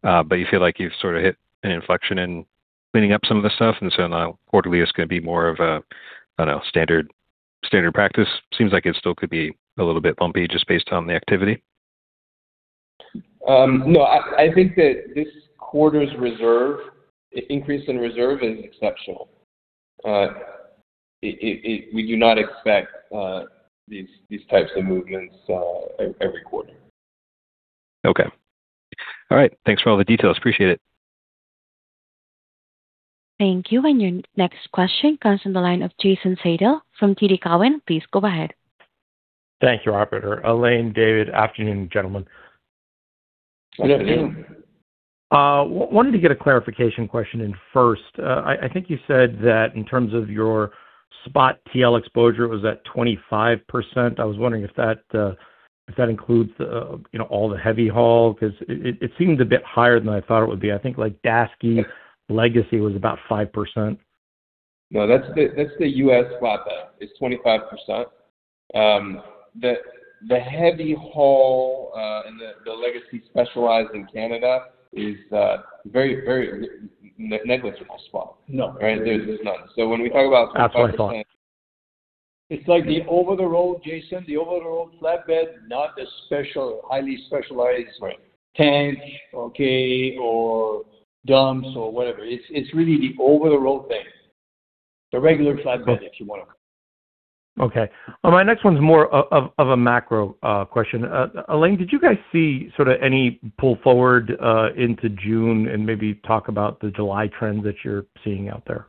You feel like you've sort of hit an inflection in cleaning up some of the stuff, now quarterly is going to be more of a, I don't know, standard practice. Seems like it still could be a little bit bumpy just based on the activity. No, I think that this quarter's reserve, increase in reserve is exceptional. We do not expect these types of movements every quarter. Okay. All right. Thanks for all the details. Appreciate it. Thank you. Your next question comes from the line of Jason Seidl from TD Cowen. Please go ahead. Thank you, operator. Alain, David, afternoon, gentlemen. Good afternoon. Wanted to get a clarification question in first. I think you said that in terms of your spot TL exposure was at 25%. I was wondering if that includes all the heavy haul, because it seemed a bit higher than I thought it would be. I think like Daseke legacy was about 5%. No, that's the U.S. flatbed, it's 25%. The heavy haul and the legacy specialized in Canada is very negligible spot. No. Right? There's none. That's what I thought. It's like the over-the-road, Jason, the over-the-road flatbed, not the special, highly specialized- Right. tank, okay, or dumps or whatever. It's really the over-the-road thing. The regular flatbed if you want to call it. Okay. My next one's more of a macro question. Alain, did you guys see sort of any pull forward into June and maybe talk about the July trends that you're seeing out there?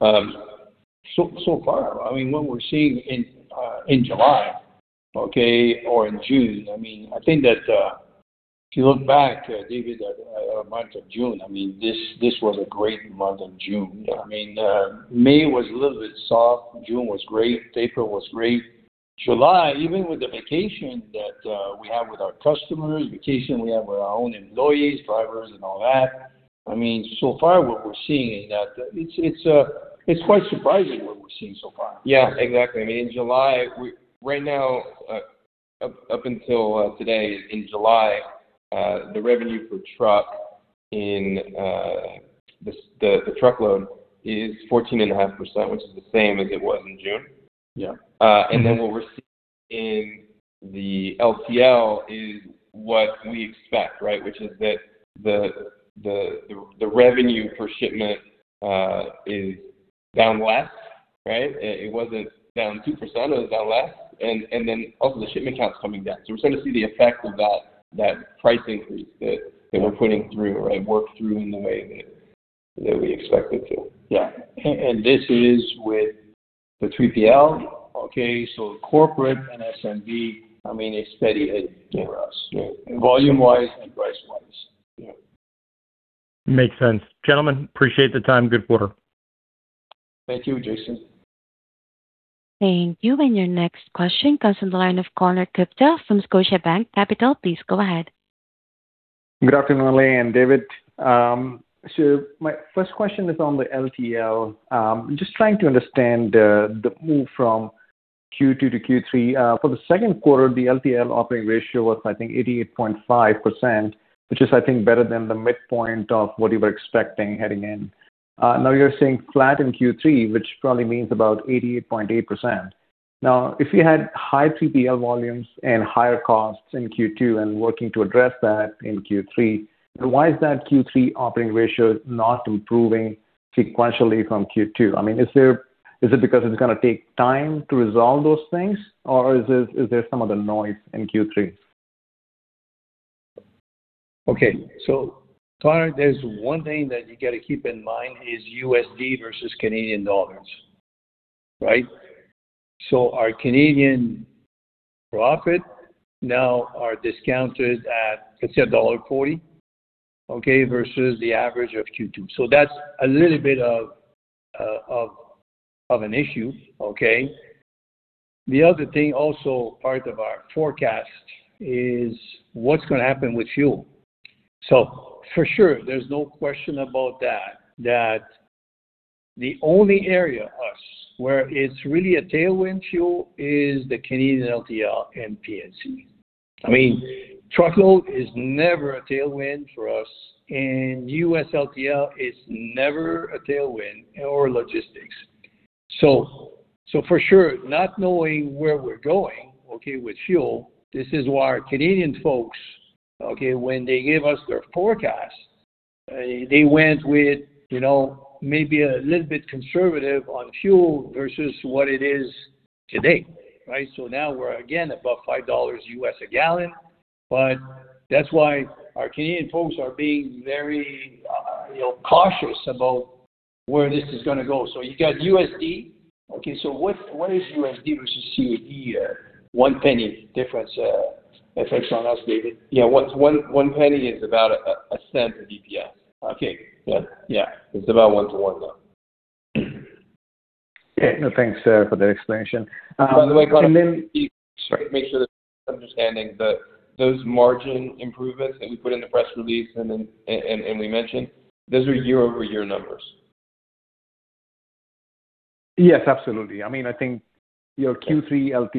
So far, what we're seeing in July, okay, or in June, I think that if you look back, David, at month of June, this was a great month in June. Yeah. May was a little bit soft. June was great. April was great. July, even with the vacation that we have with our customers, vacation we have with our own employees, drivers, and all that, so far what we're seeing is that it's quite surprising what we're seeing so far. Yeah, exactly. In July, right now, up until today in July, the revenue for truck In the truckload is 14.5%, which is the same as it was in June. Yeah. What we're seeing in the LTL is what we expect, right? Which is that the revenue per shipment is down less, right? It wasn't down 2%, it was down less. Also the shipment count's coming down. We're starting to see the effect of that price increase that we're putting through, work through in the way that we expect it to. Yeah. This is with the 3PL. Okay, corporate and SMB, it's steady as for us. Volume-wise and price-wise. Makes sense. Gentlemen, appreciate the time. Good quarter. Thank you, Jason. Thank you. Your next question comes on the line of Konark Gupta from Scotiabank Capital. Please go ahead. Good afternoon, Alain and David. My first question is on the LTL. Just trying to understand the move from Q2 to Q3. For the second quarter, the LTL operating ratio was, I think, 88.5%, which is, I think, better than the midpoint of what you were expecting heading in. You're saying flat in Q3, which probably means about 88.8%. If you had high P&C volumes and higher costs in Q2 and working to address that in Q3, why is that Q3 operating ratio not improving sequentially from Q2? Is it because it's going to take time to resolve those things, or is there some other noise in Q3? Okay. Konark, there's one thing that you got to keep in mind is USD versus Canadian dollars. Right? Our Canadian profit now are discounted at, let's say dollar 1.40, okay, versus the average of Q2. That's a little bit of an issue, okay. The other thing also part of our forecast is what's going to happen with fuel. For sure, there's no question about that the only area us where it's really a tailwind fuel is the Canadian LTL and P&C. Truckload is never a tailwind for us, and U.S. LTL is never a tailwind, or logistics. For sure, not knowing where we're going, okay, with fuel, this is why our Canadian folks, okay, when they gave us their forecast, they went with maybe a little bit conservative on fuel versus what it is today. Right? Now we're again above $5 a gallon. That's why our Canadian folks are being very cautious about where this is going to go. You got USD. What is USD versus CAD? 0.01 difference, if I'm not mistaken. Yeah. 0.01 is about CAD 0.01 in EPS. Okay. Yeah. It's about one to one though. No, thanks for that explanation. Sorry, make sure that I'm understanding that those margin improvements that we put in the press release, and we mentioned, those are year-over-year numbers. Yes, absolutely. I think your Q3 LTL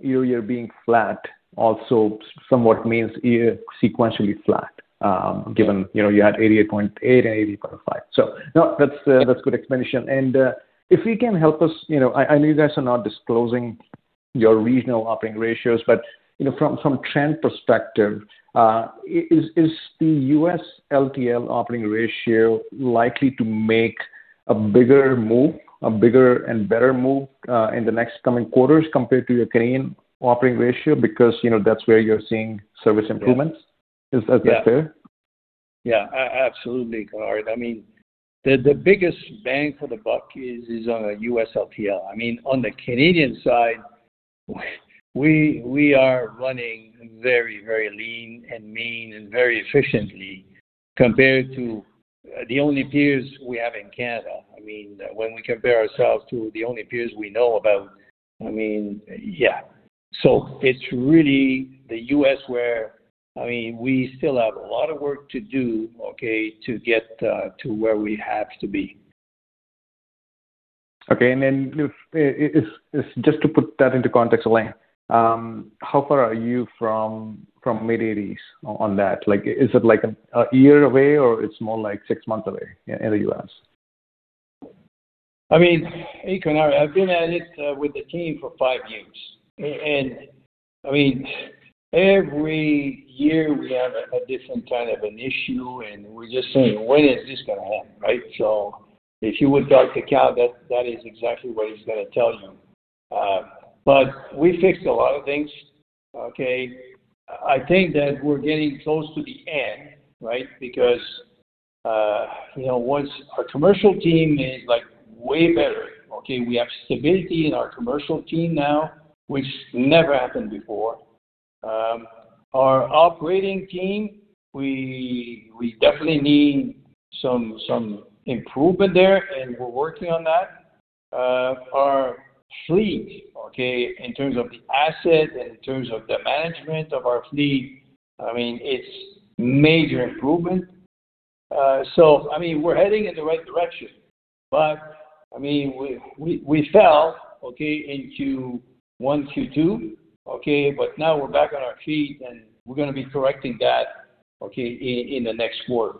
year-over-year being flat also somewhat means year-sequentially flat. Given you had 88.8% and 80.5%. No, that's good explanation. If you can help us, I know you guys are not disclosing your regional operating ratios, but from trend perspective, is the U.S. LTL operating ratio likely to make a bigger move, a bigger and better move, in the next coming quarters compared to your Canadian operating ratio? Because that's where you're seeing service improvements. Is that fair? Yeah. Absolutely, Konark. The biggest bang for the buck is on the U.S. LTL. On the Canadian side, we are running very lean and mean and very efficiently compared to the only peers we have in Canada. When we compare ourselves to the only peers we know about, yeah. It's really the U.S. where we still have a lot of work to do, okay, to get to where we have to be. Okay. If, just to put that into context, Alain, how far are you from mid-80s on that? Is it like a year away or it's more like six months away in the U.S.? Konark, I've been at it with the team for five years. Every year we have a different kind of an issue, and we're just saying, when is this going to happen? Right? If you would talk to Cal, that is exactly what he's going to tell you. We fixed a lot of things, okay. I think that we're getting close to the end, right? Once our commercial team is way better. Okay. We have stability in our commercial team now, which never happened before. Our operating team, we definitely need some improvement there, and we're working on that. Our fleet, okay, in terms of the asset, in terms of the management of our fleet, it's major improvement. We're heading in the right direction. We fell in Q1, Q2. Now we're back on our feet, and we're going to be correcting that in the next quarter.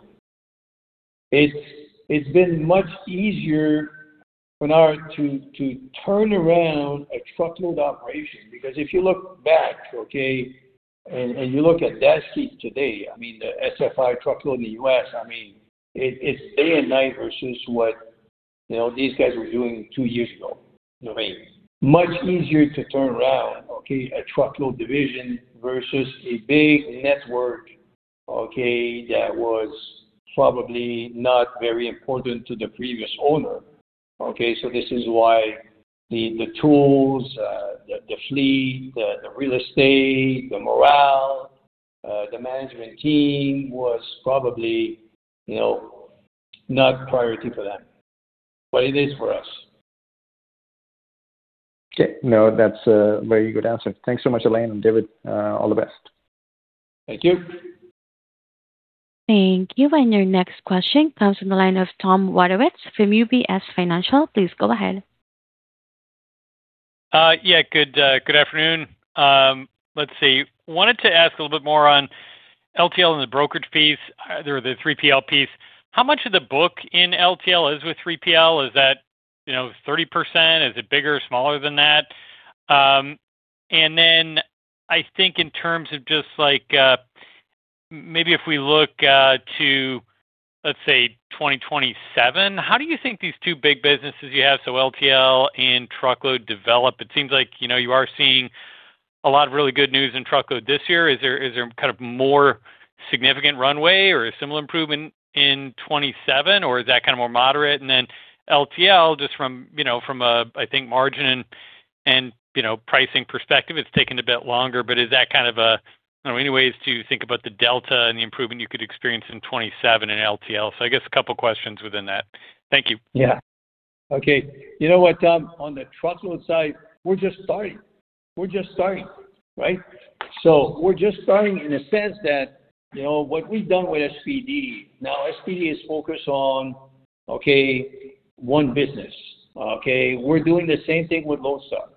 It's been much easier, Konark, to turn around a truckload operation, because if you look back, and you look at that sheet today, the SFI truckload in the U.S., it's day and night versus what these guys were doing two years ago. Much easier to turn around a truckload division versus a big network that was probably not very important to the previous owner. This is why the tools, the fleet, the real estate, the morale, the management team was probably not priority for them. It is for us. Okay. No, that's a very good answer. Thanks so much, Alain and David. All the best. Thank you. Thank you. Your next question comes from the line of Tom Wadewitz from UBS Financial. Please go ahead. Yeah. Good afternoon. Let's see. Wanted to ask a little bit more on LTL and the brokerage piece, or the 3PL piece. How much of the book in LTL is with 3PL? Is that 30%? Is it bigger or smaller than that? Then I think in terms of just maybe if we look to, let's say, 2027, how do you think these two big businesses you have, LTL and truckload, develop? It seems like you are seeing a lot of really good news in truckload this year. Is there more significant runway or a similar improvement in 2027, or is that more moderate? Then LTL, just from a, I think, margin and pricing perspective, it's taken a bit longer, but is that kind of a, anyways, do you think about the delta and the improvement you could experience in 2027 in LTL? I guess a couple of questions within that. Thank you. Yeah. Okay. You know what, Tom? On the truckload side, we're just starting. We're just starting in a sense that what we've done with SPD. Now, SPD is focused on one business. We're doing the same thing with Lone Star.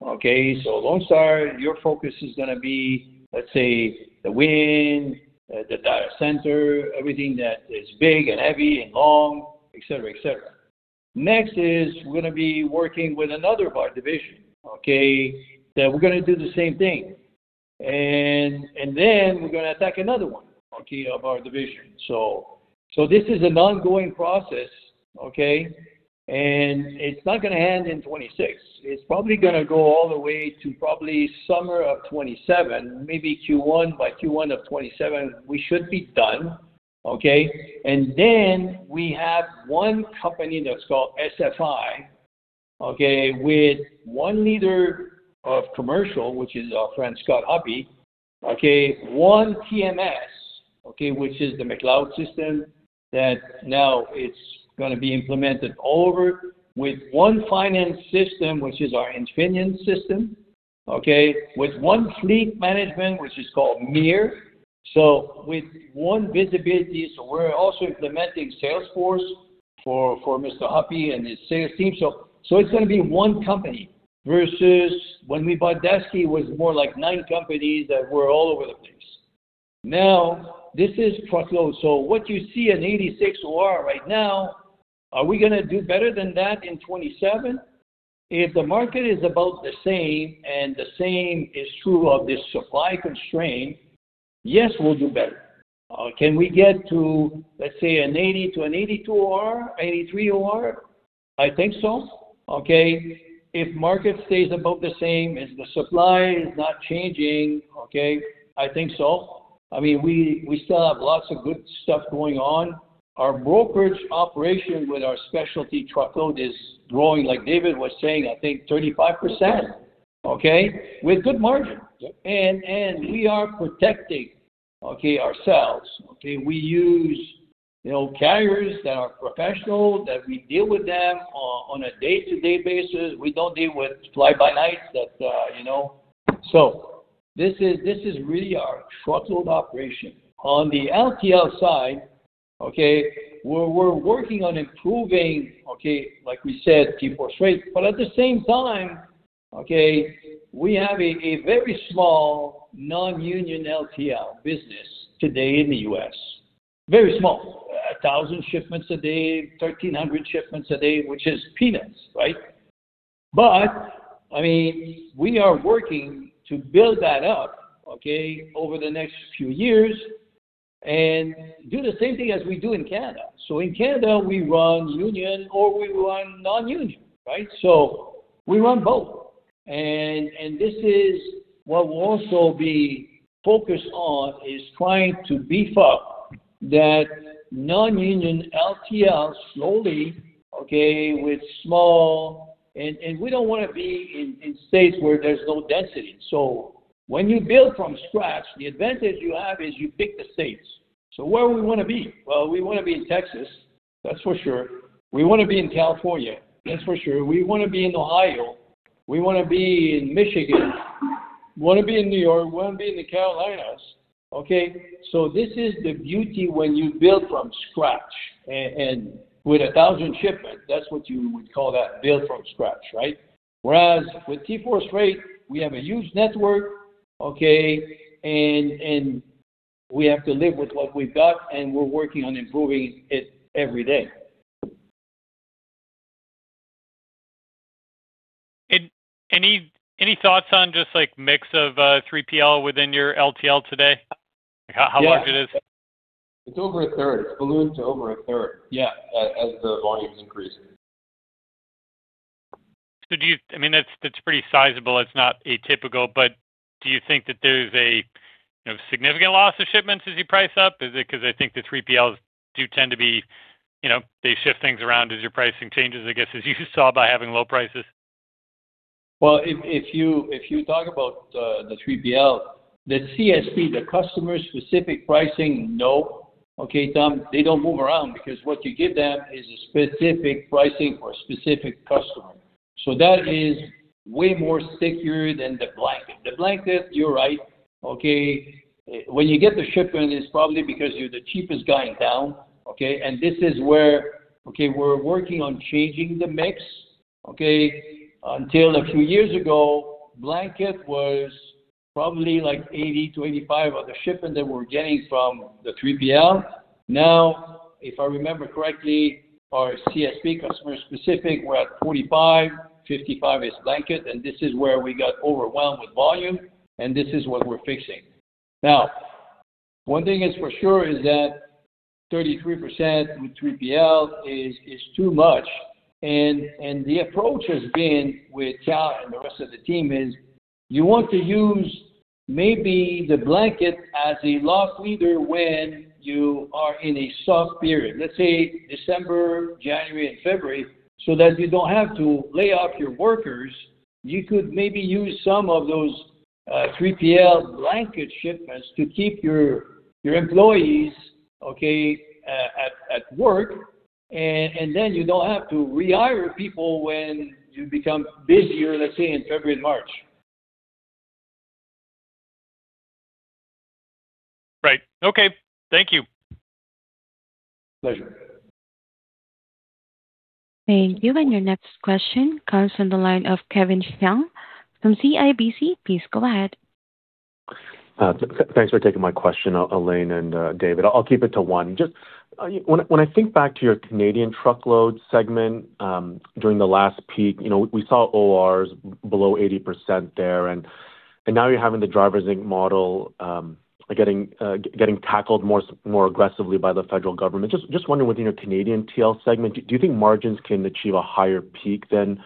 Lone Star, your focus is going to be, let's say, the wind, the data center, everything that is big and heavy and long, et cetera. Next is we're going to be working with another of our division. That we're going to do the same thing. Then we're going to attack another one of our division. This is an ongoing process, and it's not going to end in 2026. It's probably going to go all the way to probably summer of 2027, maybe Q1. By Q1 of 2027, we should be done. We have one company that is called SFI, with one leader of commercial, which is our friend, Scott Hoppe, one TMS, which is the McLeod Software system, that now it is going to be implemented over with one finance system, which is our Infineo system. With one fleet management, which is called MIR. With one visibility. We are also implementing Salesforce for Mr. Hoppe and his sales team. It is going to be one company versus when we bought Daseke, it was more like nine companies that were all over the place. This is truckload. What you see in 86 OR right now, are we going to do better than that in 2027? If the market is about the same, and the same is true of this supply constraint, yes, we will do better. Can we get to, let us say, an 80 to an 82 OR, 83 OR? I think so. If market stays about the same, if the supply is not changing, I think so. We still have lots of good stuff going on. Our brokerage operation with our specialty truckload is growing, like David was saying, I think 35%. With good margin. We are protecting ourselves. We use carriers that are professional, that we deal with them on a day-to-day basis. We do not deal with fly-by-nights. This is really our truckload operation. On the LTL side, we are working on improving, like we said, T4 trade. At the same time, we have a very small non-union LTL business today in the U.S. Very small. 1,000 shipments a day, 1,300 shipments a day, which is peanuts. We are working to build that up over the next few years and do the same thing as we do in Canada. In Canada, we run union or we run non-union. We run both. This is what we will also be focused on, is trying to beef up that non-union LTL slowly. We do not want to be in states where there is no density. When you build from scratch, the advantage you have is you pick the states. Where would we want to be? We want to be in Texas. That is for sure. We want to be in California. That is for sure. We want to be in Ohio. We want to be in Michigan. One will be in New York, one will be in the Carolinas. This is the beauty when you build from scratch. With 1,000 shipments, that is what you would call that build from scratch, right? Whereas with TForce Freight, we have a huge network, and we have to live with what we have got, and we are working on improving it every day. Any thoughts on just mix of 3PL within your LTL today? How large it is? It's over a third. It's ballooned to over a third. Yeah. As the volumes increase. That's pretty sizable. It's not atypical, but do you think that there's a significant loss of shipments as you price up? Because I think the 3PLs do tend to be, they shift things around as your pricing changes, I guess as you saw by having low prices. Well, if you talk about the 3PL, the CSP, the customer-specific pricing, no. Okay, Tom, they don't move around because what you give them is a specific pricing for a specific customer. That is way more secure than the blanket. The blanket, you're right. When you get the shipment, it's probably because you're the cheapest guy in town, okay. This is where we're working on changing the mix. Until a few years ago, blanket was probably like 80%-85% of the shipments that we were getting from the 3PL. If I remember correctly, our CSP, customer specific, we're at 45%, 55% is blanket, and this is where we got overwhelmed with volume, and this is what we're fixing. One thing is for sure is that 33% with 3PL is too much, and the approach has been with Cal and the rest of the team is, you want to use maybe the blanket as a loss leader when you are in a soft period. Let's say December, January, and February, that you don't have to lay off your workers. You could maybe use some of those 3PL blanket shipments to keep your employees at work, then you don't have to rehire people when you become busier, let's say, in February and March. Right. Okay. Thank you. Pleasure. Thank you. Your next question comes from the line of Kevin Chiang from CIBC. Please go ahead. Thanks for taking my question, Alain and David. I'll keep it to one. When I think back to your Canadian truckload segment, during the last peak, we saw ORs below 80% there, and now you're having the Driver Inc. model getting tackled more aggressively by the federal government. Wondering within your Canadian TL segment, do you think margins can achieve a higher peak than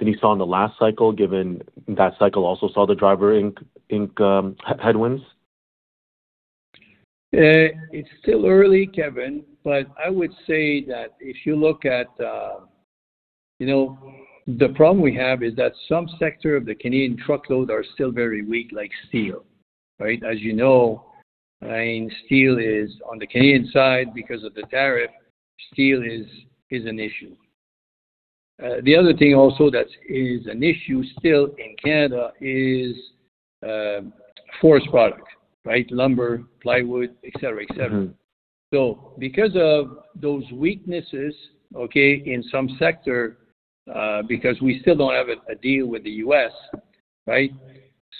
you saw in the last cycle, given that cycle also saw the Driver Inc. headwinds? It's still early, Kevin, I would say that the problem we have is that some sector of the Canadian truckload are still very weak, like steel. As you know, steel is on the Canadian side because of the tariff, steel is an issue. The other thing also that is an issue still in Canada is forest product. Lumber, plywood, et cetera. Because of those weaknesses in some sector, because we still don't have a deal with the U.S.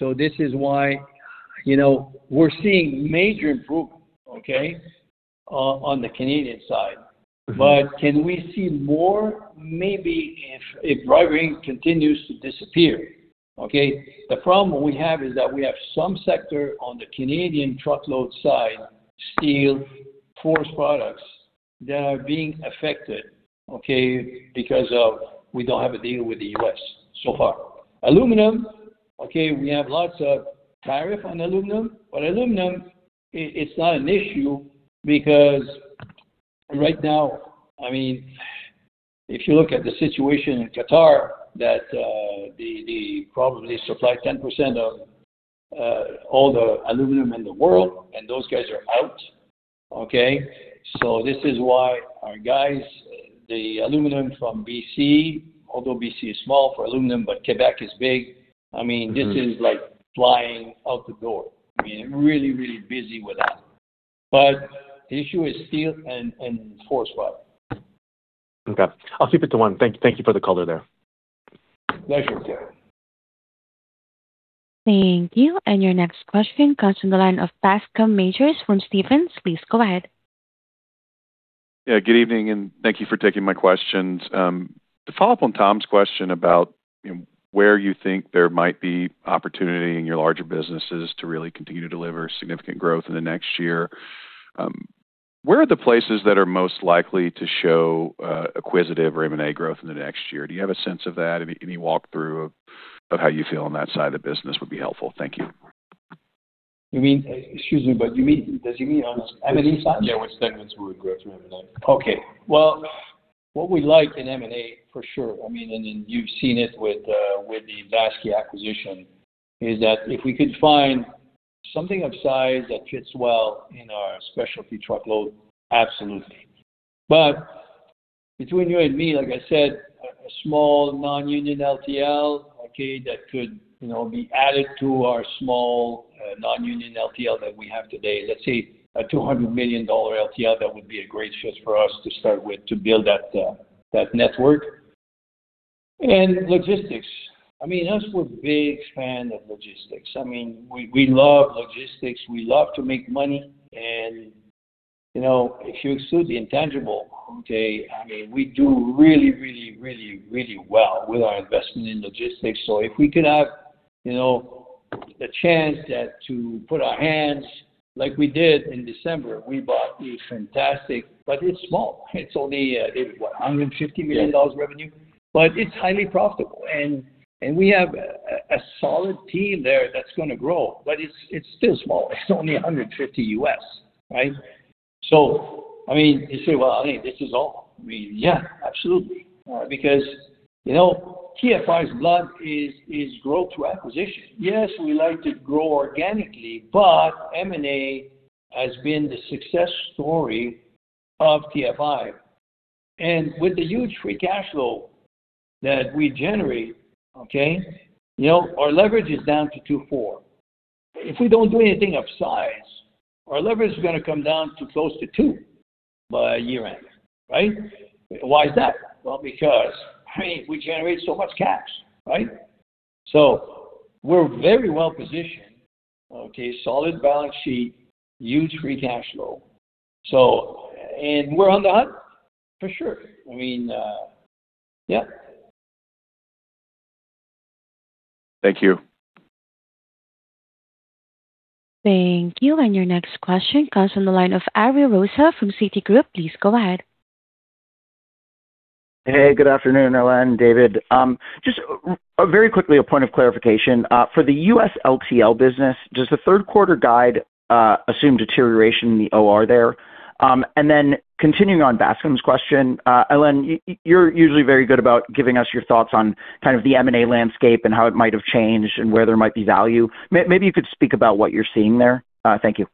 This is why we're seeing major improvement on the Canadian side. Can we see more? Maybe if Driver Inc. continues to disappear. The problem we have is that we have some sector on the Canadian truckload side, steel, forest products, that are being affected because of we don't have a deal with the U.S. so far. Aluminum, we have lots of tariff on aluminum. Aluminum, it's not an issue because right now, if you look at the situation in Qatar that they probably supply 10% of all the aluminum in the world, and those guys are out. This is why our guys, the aluminum from B.C., although B.C. is small for aluminum, Quebec is big. This is like flying out the door. Really, really busy with that. The issue is steel and forest product. Okay. I'll keep it to one. Thank you for the color there. Pleasure, Kevin. Thank you. Your next question comes from the line of Bascome Majors from Stephens. Please go ahead. Yeah, good evening, and thank you for taking my questions. To follow up on Tom's question about where you think there might be opportunity in your larger businesses to really continue to deliver significant growth in the next year. Where are the places that are most likely to show acquisitive or M&A growth in the next year? Do you have a sense of that? Any walkthrough of how you feel on that side of the business would be helpful. Thank you. Excuse me, does he mean on M&A side? Yeah, which segments would grow through M&A. Okay. Well, what we like in M&A for sure, and you've seen it with the Daseke acquisition, is that if we could find something of size that fits well in our specialty truckload, absolutely. Between you and me, like I said, a small non-union LTL, okay, that could be added to our small non-union LTL that we have today. Let's say a 200 million dollar LTL, that would be a great fit for us to start with to build that network. Logistics. Us, we're big fans of logistics. We love logistics. We love to make money, and if you exclude the intangible, okay, we do really well with our investment in logistics. If we could have the chance that to put our hands, like we did in December, it's small. It's only, what, 150 million dollars revenue? Yeah. It's highly profitable, and we have a solid team there that's going to grow. It's still small. It's only $150, right? You say, well, Alain, this is all. Yeah, absolutely. Because TFI's blood is growth through acquisition. Yes, we like to grow organically, but M&A has been the success story of TFI. With the huge free cash flow that we generate, our leverage is down to 2.4. If we don't do anything of size, our leverage is going to come down to close to two by year-end. Right? Why is that? Well, because, we generate so much cash, right? We're very well-positioned. Solid balance sheet, huge free cash flow. We're on the hunt, for sure. Yep. Thank you. Thank you. Your next question comes from the line of Ariel Rosa from Citigroup. Please go ahead. Hey, good afternoon, Alain, David. Just very quickly, a point of clarification. For the U.S. LTL business, does the third quarter guide assume deterioration in the OR there? Continuing on Bascome's question, Alain, you're usually very good about giving us your thoughts on kind of the M&A landscape and how it might have changed and where there might be value. Maybe you could speak about what you're seeing there. Thank you.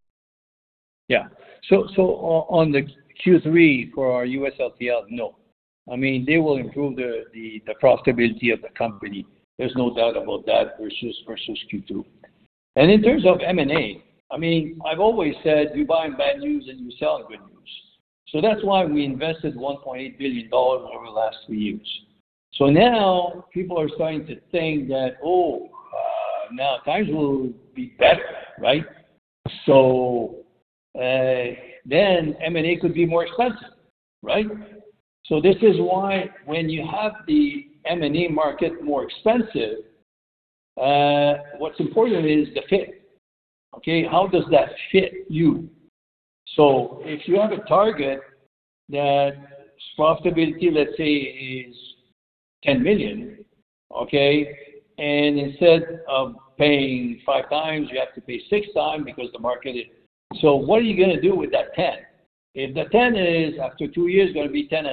Yeah. On the Q3 for our U.S. LTL, no. They will improve the profitability of the company. There's no doubt about that versus Q2. In terms of M&A, I've always said you buy bad news, and you sell good news. That's why we invested 1.8 billion dollars over the last three years. Now people are starting to think that, oh, now times will be better, right? Then M&A could be more expensive, right? This is why when you have the M&A market more expensive, what's important is the fit. Okay? How does that fit you? If you have a target that's profitability, let's say is 10 million, okay, and instead of paying five times, you have to pay six times because the market is What are you going to do with that 10 million? If the 10 is, after two years, going to be 10.5,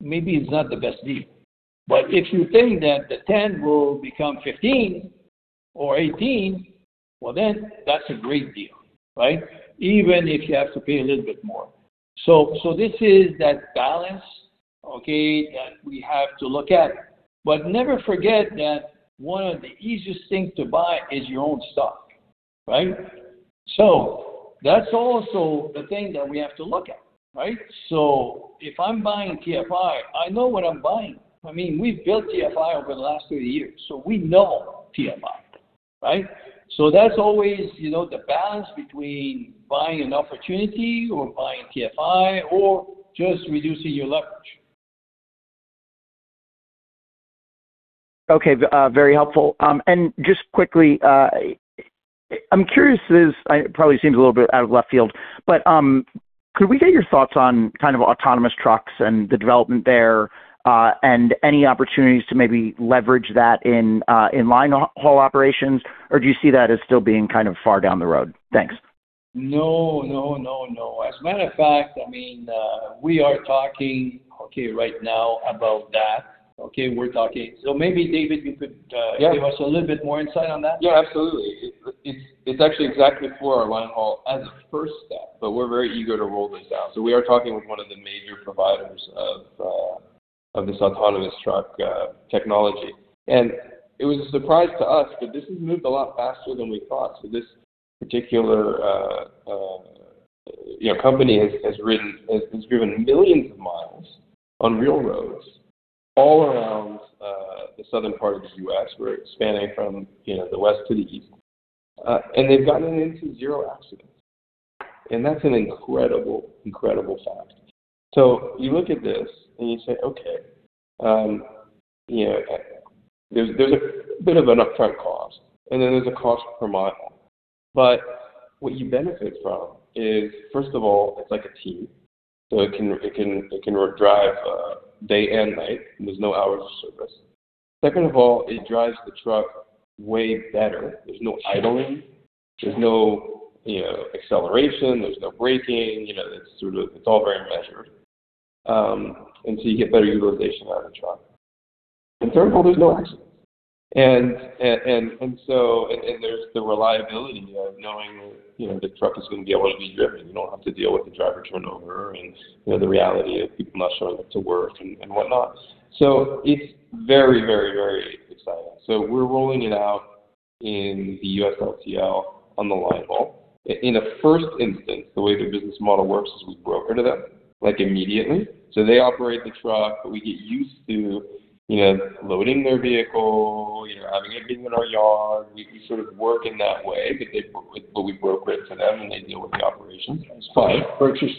maybe it's not the best deal. If you think that the 10 will become 15 or 18, well then that's a great deal, right? Even if you have to pay a little bit more. This is that balance, okay, that we have to look at. Never forget that one of the easiest things to buy is your own stock, right? That's also a thing that we have to look at, right? If I'm buying TFI, I know what I'm buying. We've built TFI over the last three years, so we know TFI, right? That's always the balance between buying an opportunity or buying TFI or just reducing your leverage. Okay. Very helpful. Just quickly, I'm curious, this probably seems a little bit out of left field, but could we get your thoughts on kind of autonomous trucks and the development there, and any opportunities to maybe leverage that in line haul operations? Do you see that as still being kind of far down the road? Thanks. No. As a matter of fact, we are talking right now about that. We're talking. Maybe, David, you could give us a little bit more insight on that? Absolutely. It's actually exactly for our line haul as a first step, but we're very eager to roll this out. We are talking with one of the major providers of this autonomous truck technology. It was a surprise to us, but this has moved a lot faster than we thought. This particular company has driven millions of miles on real roads all around the southern part of the U.S. We're expanding from the West to the East. They've gotten into zero accidents. That's an incredible fact. You look at this, and you say, okay, there's a bit of an upfront cost, and then there's a cost per mile. What you benefit from is, first of all, it's like a team. It can drive day and night, and there's no hours of service. Second of all, it drives the truck way better. There's no idling. There's no acceleration. There's no braking. It's all very measured. You get better utilization out of the truck. Third of all, there's no accidents. There's the reliability of knowing the truck is going to be able to be driven. You don't have to deal with the driver turnover and the reality of people not showing up to work and whatnot. It's very exciting. We're rolling it out in the U.S. LTL on the line haul. In the first instance, the way the business model works is we broker to them immediately. They operate the truck. We get used to loading their vehicle, having it be in our yard. We sort of work in that way, but we broker it to them, and they deal with the operations. It's fine. Brokerage,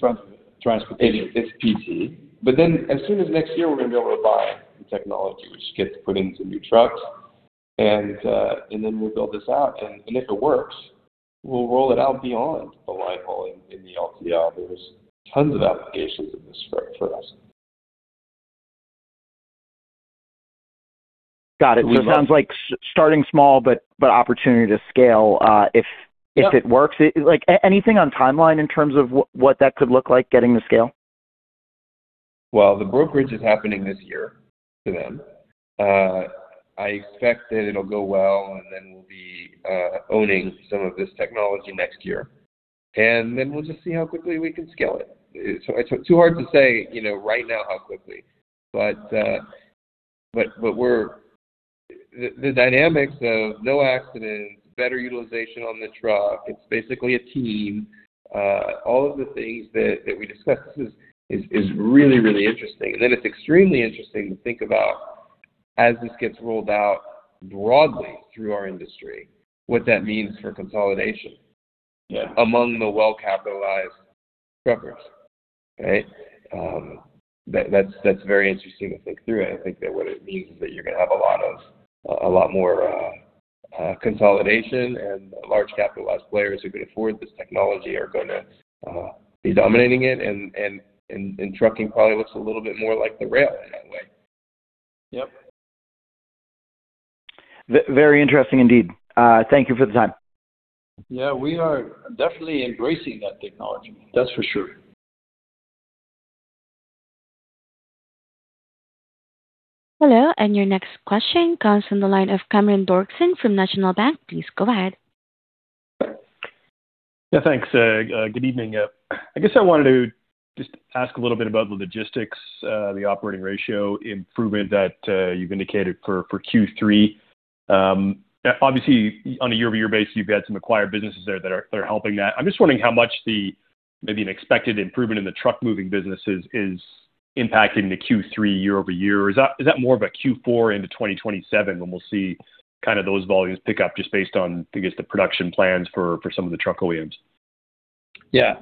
transportation. It's PT. As soon as next year, we're going to be able to buy the technology, which gets put into new trucks, then we'll build this out. If it works, we'll roll it out beyond the line haul in the LTL. There's tons of applications of this for us. Got it. It sounds like starting small, opportunity to scale, if it works. Anything on timeline in terms of what that could look like getting to scale? The brokerage is happening this year to them. I expect that it'll go well, we'll be owning some of this technology next year, we'll just see how quickly we can scale it. Too hard to say right now how quickly. The dynamics of no accidents, better utilization on the truck, it's basically a team. All of the things that we discussed is really interesting. It's extremely interesting to think about as this gets rolled out broadly through our industry, what that means for consolidation among the well-capitalized truckers. Right? That's very interesting to think through. I think that what it means is that you're going to have a lot more consolidation and large capitalized players who can afford this technology are going to be dominating it. Trucking probably looks a little bit more like the rail in that way. Yep. Very interesting indeed. Thank you for the time. Yeah, we are definitely embracing that technology, that's for sure. Hello, your next question comes from the line of Cameron Doerksen from National Bank. Please go ahead. Yeah, thanks. Good evening. I guess I wanted to just ask a little bit about the logistics, the operating ratio improvement that you've indicated for Q3. Obviously, on a year-over-year basis, you've had some acquired businesses there that are helping that. I'm just wondering how much the, maybe an expected improvement in the truck moving businesses is impacting the Q3 year-over-year. Is that more of a Q4 into 2027 when we'll see kind of those volumes pick up just based on, I guess, the production plans for some of the truck OEMs? Yeah.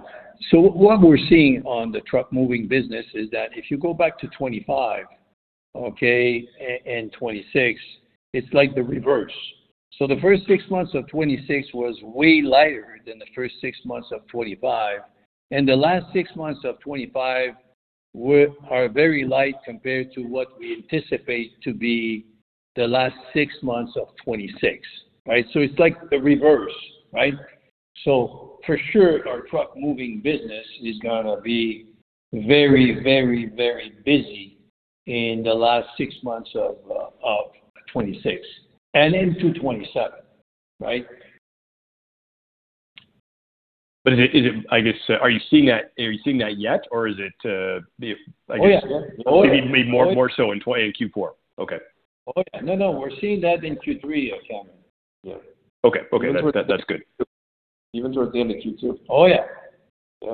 What we're seeing on the truck moving business is that if you go back to 2025 and 2026, it's like the reverse. The first six months of 2026 was way lighter than the first six months of 2025, and the last six months of 2025 are very light compared to what we anticipate to be the last six months of 2026. Right? It's like the reverse. Right? For sure, our truck moving business is going to be very busy in the last six months of 2026 and into 2027. Right? I guess, are you seeing that yet? Oh, yeah. Maybe more so in Q4. Okay. Oh, yeah. No, we're seeing that in Q3, Cameron. Yeah. Okay. That's good. Even towards the end of Q2. Oh, yeah. Yeah.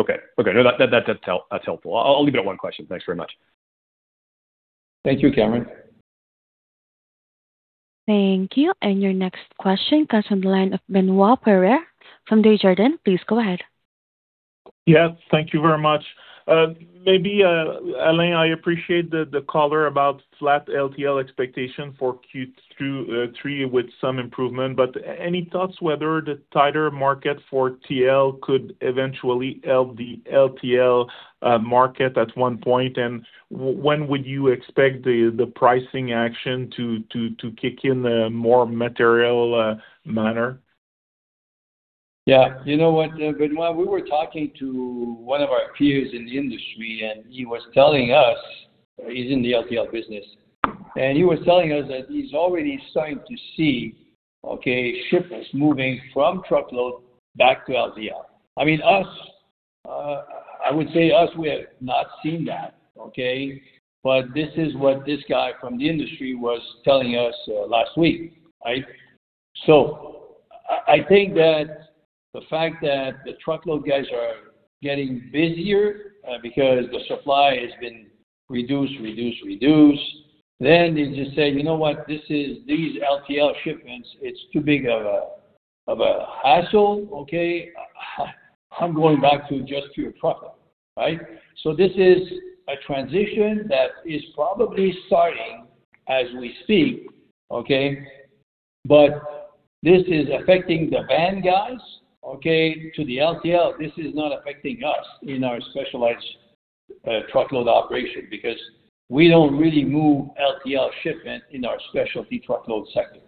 Okay. No, that's helpful. I'll leave it at one question. Thanks very much. Thank you, Cameron. Thank you. Your next question comes from the line of Benoit Poirier from Desjardins. Please go ahead. Yes, thank you very much. Maybe, Alain, I appreciate the color about flat LTL expectation for Q3 with some improvement, but any thoughts whether the tighter market for TL could eventually help the LTL market at one point? When would you expect the pricing action to kick in a more material manner? Yeah. You know what, Benoit, we were talking to one of our peers in the industry, and he was telling us, he's in the LTL business, and he was telling us that he's already starting to see, okay, shipments moving from truckload back to LTL. I would say us, we have not seen that, okay? This is what this guy from the industry was telling us last week. Right? I think that the fact that the truckload guys are getting busier because the supply has been reduced. They just say, you know what? These LTL shipments, it's too big of a hassle, okay? I'm going back to just pure truckload. Right? This is a transition that is probably starting as we speak, okay? This is affecting the van guys, okay, to the LTL. This is not affecting us in our specialized truckload operation because we don't really move LTL shipment in our specialty truckload sector.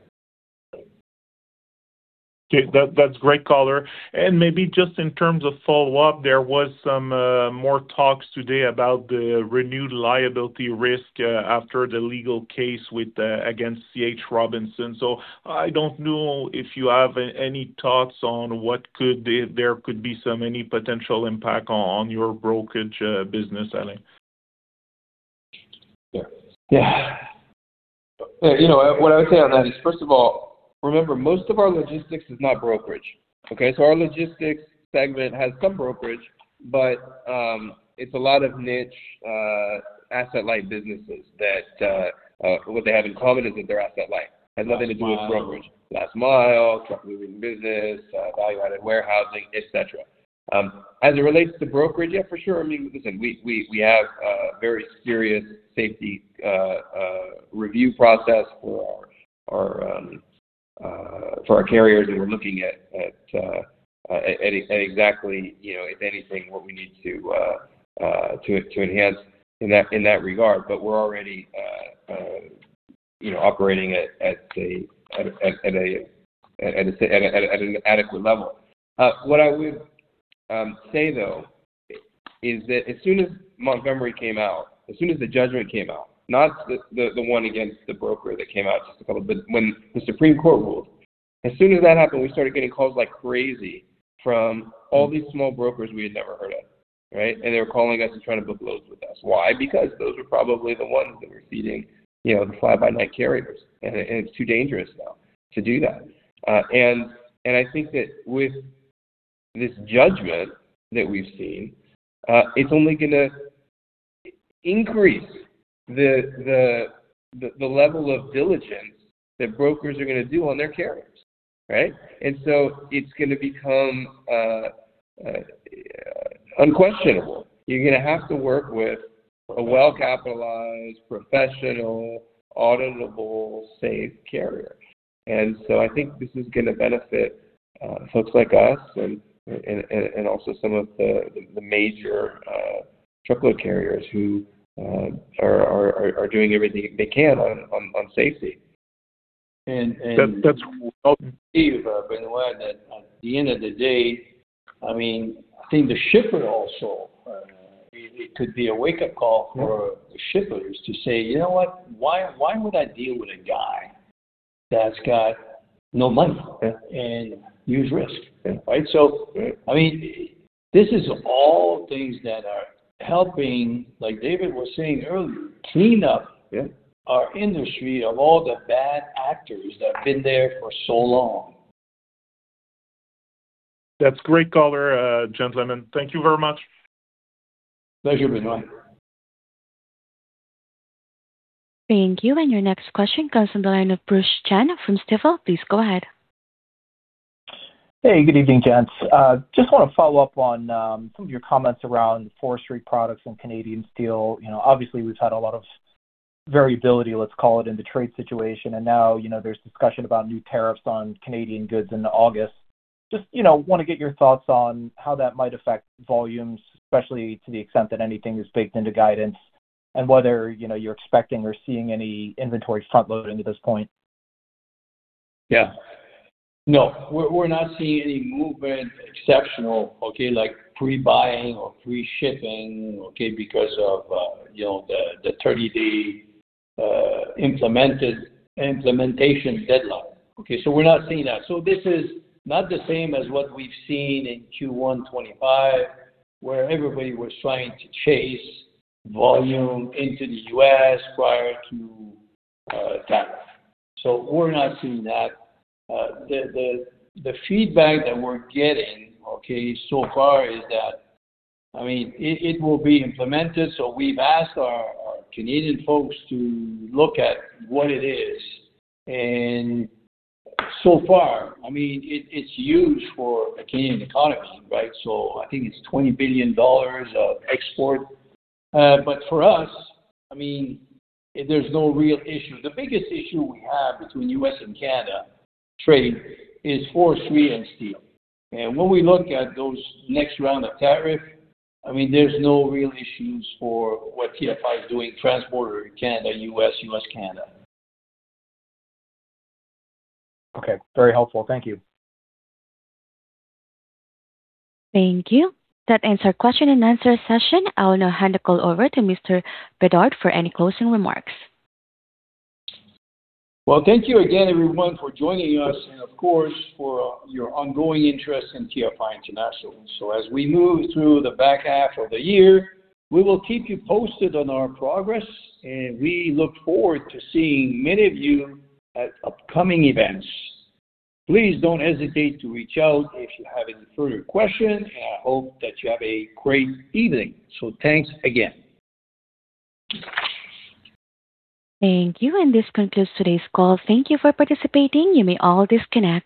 Okay, that's great color. Maybe just in terms of follow-up, there was some more talks today about the renewed liability risk after the legal case against C.H. Robinson. I don't know if you have any thoughts on what there could be some, any potential impact on your brokerage business, Alain. Yeah. What I would say on that is, first of all, remember, most of our logistics is not brokerage. Okay? Our logistics segment has some brokerage, but it's a lot of niche asset-light businesses that what they have in common is that they're asset-light. Has nothing to do with brokerage. Last mile. Last mile, truckloading business, value-added warehousing, et cetera. As it relates to brokerage, yeah, for sure. I mean, listen, we have a very serious safety review process for our carriers, and we're looking at exactly, if anything, what we need to enhance in that regard. We're already operating at an adequate level. What I would say, though, is that as soon as Montgomery came out, as soon as the judgment came out, not the one against the broker that came out just a couple, but when the Supreme Court ruled. As soon as that happened, we started getting calls like crazy from all these small brokers we had never heard of, right? They were calling us and trying to book loads with us. Why? Because those were probably the ones that were feeding the fly-by-night carriers, and it's too dangerous now to do that. I think that with this judgment that we've seen, it's only going to increase the level of diligence that brokers are going to do on their carriers, right? It's going to become unquestionable. You're going to have to work with a well-capitalized, professional, auditable, safe carrier. I think this is going to benefit folks like us and also some of the major trucker carriers who are doing everything they can on safety. That's well received, Benoit, that at the end of the day, I think the shipper also, it could be a wake-up call for the shippers to say, you know what? Why would I deal with a guy that's got no money and huge risk? Yeah. Right? This is all things that are helping, like David was saying earlier, clean up our industry of all the bad actors that have been there for so long. That's great color. Gentlemen, thank you very much. Thank you, Benoit. Thank you. Your next question comes on the line of Bruce Chan from Stifel. Please go ahead. Hey, good evening, gents. Just want to follow up on some of your comments around forestry products and Canadian steel. Obviously, we've had a lot of variability, let's call it, in the trade situation, and now there's discussion about new tariffs on Canadian goods into August. Just want to get your thoughts on how that might affect volumes, especially to the extent that anything is baked into guidance and whether you're expecting or seeing any inventory front-loading at this point. Yeah. No, we're not seeing any movement exceptional, okay, like pre-buying or pre-shipping, okay, because of the 30-day implementation deadline. Okay. We're not seeing that. This is not the same as what we've seen in Q1 2025, where everybody was trying to chase volume into the U.S. prior to tariff. We're not seeing that. The feedback that we're getting, okay, so far is that it will be implemented. We've asked our Canadian folks to look at what it is, and so far, it's huge for the Canadian economy, right? I think it's 20 billion dollars of export. For us, there's no real issue. The biggest issue we have between U.S. and Canada trade is forestry and steel. When we look at those next round of tariff, there's no real issues for what TFI is doing, transporter Canada-U.S., U.S.-Canada. Okay. Very helpful. Thank you. Thank you. That ends our question-and-answer session. I will now hand the call over to Mr. Bédard for any closing remarks. Thank you again, everyone, for joining us and, of course, for your ongoing interest in TFI International. As we move through the back half of the year, we will keep you posted on our progress, and we look forward to seeing many of you at upcoming events. Please don't hesitate to reach out if you have any further questions, and I hope that you have a great evening. Thanks again. Thank you. This concludes today's call. Thank you for participating. You may all disconnect.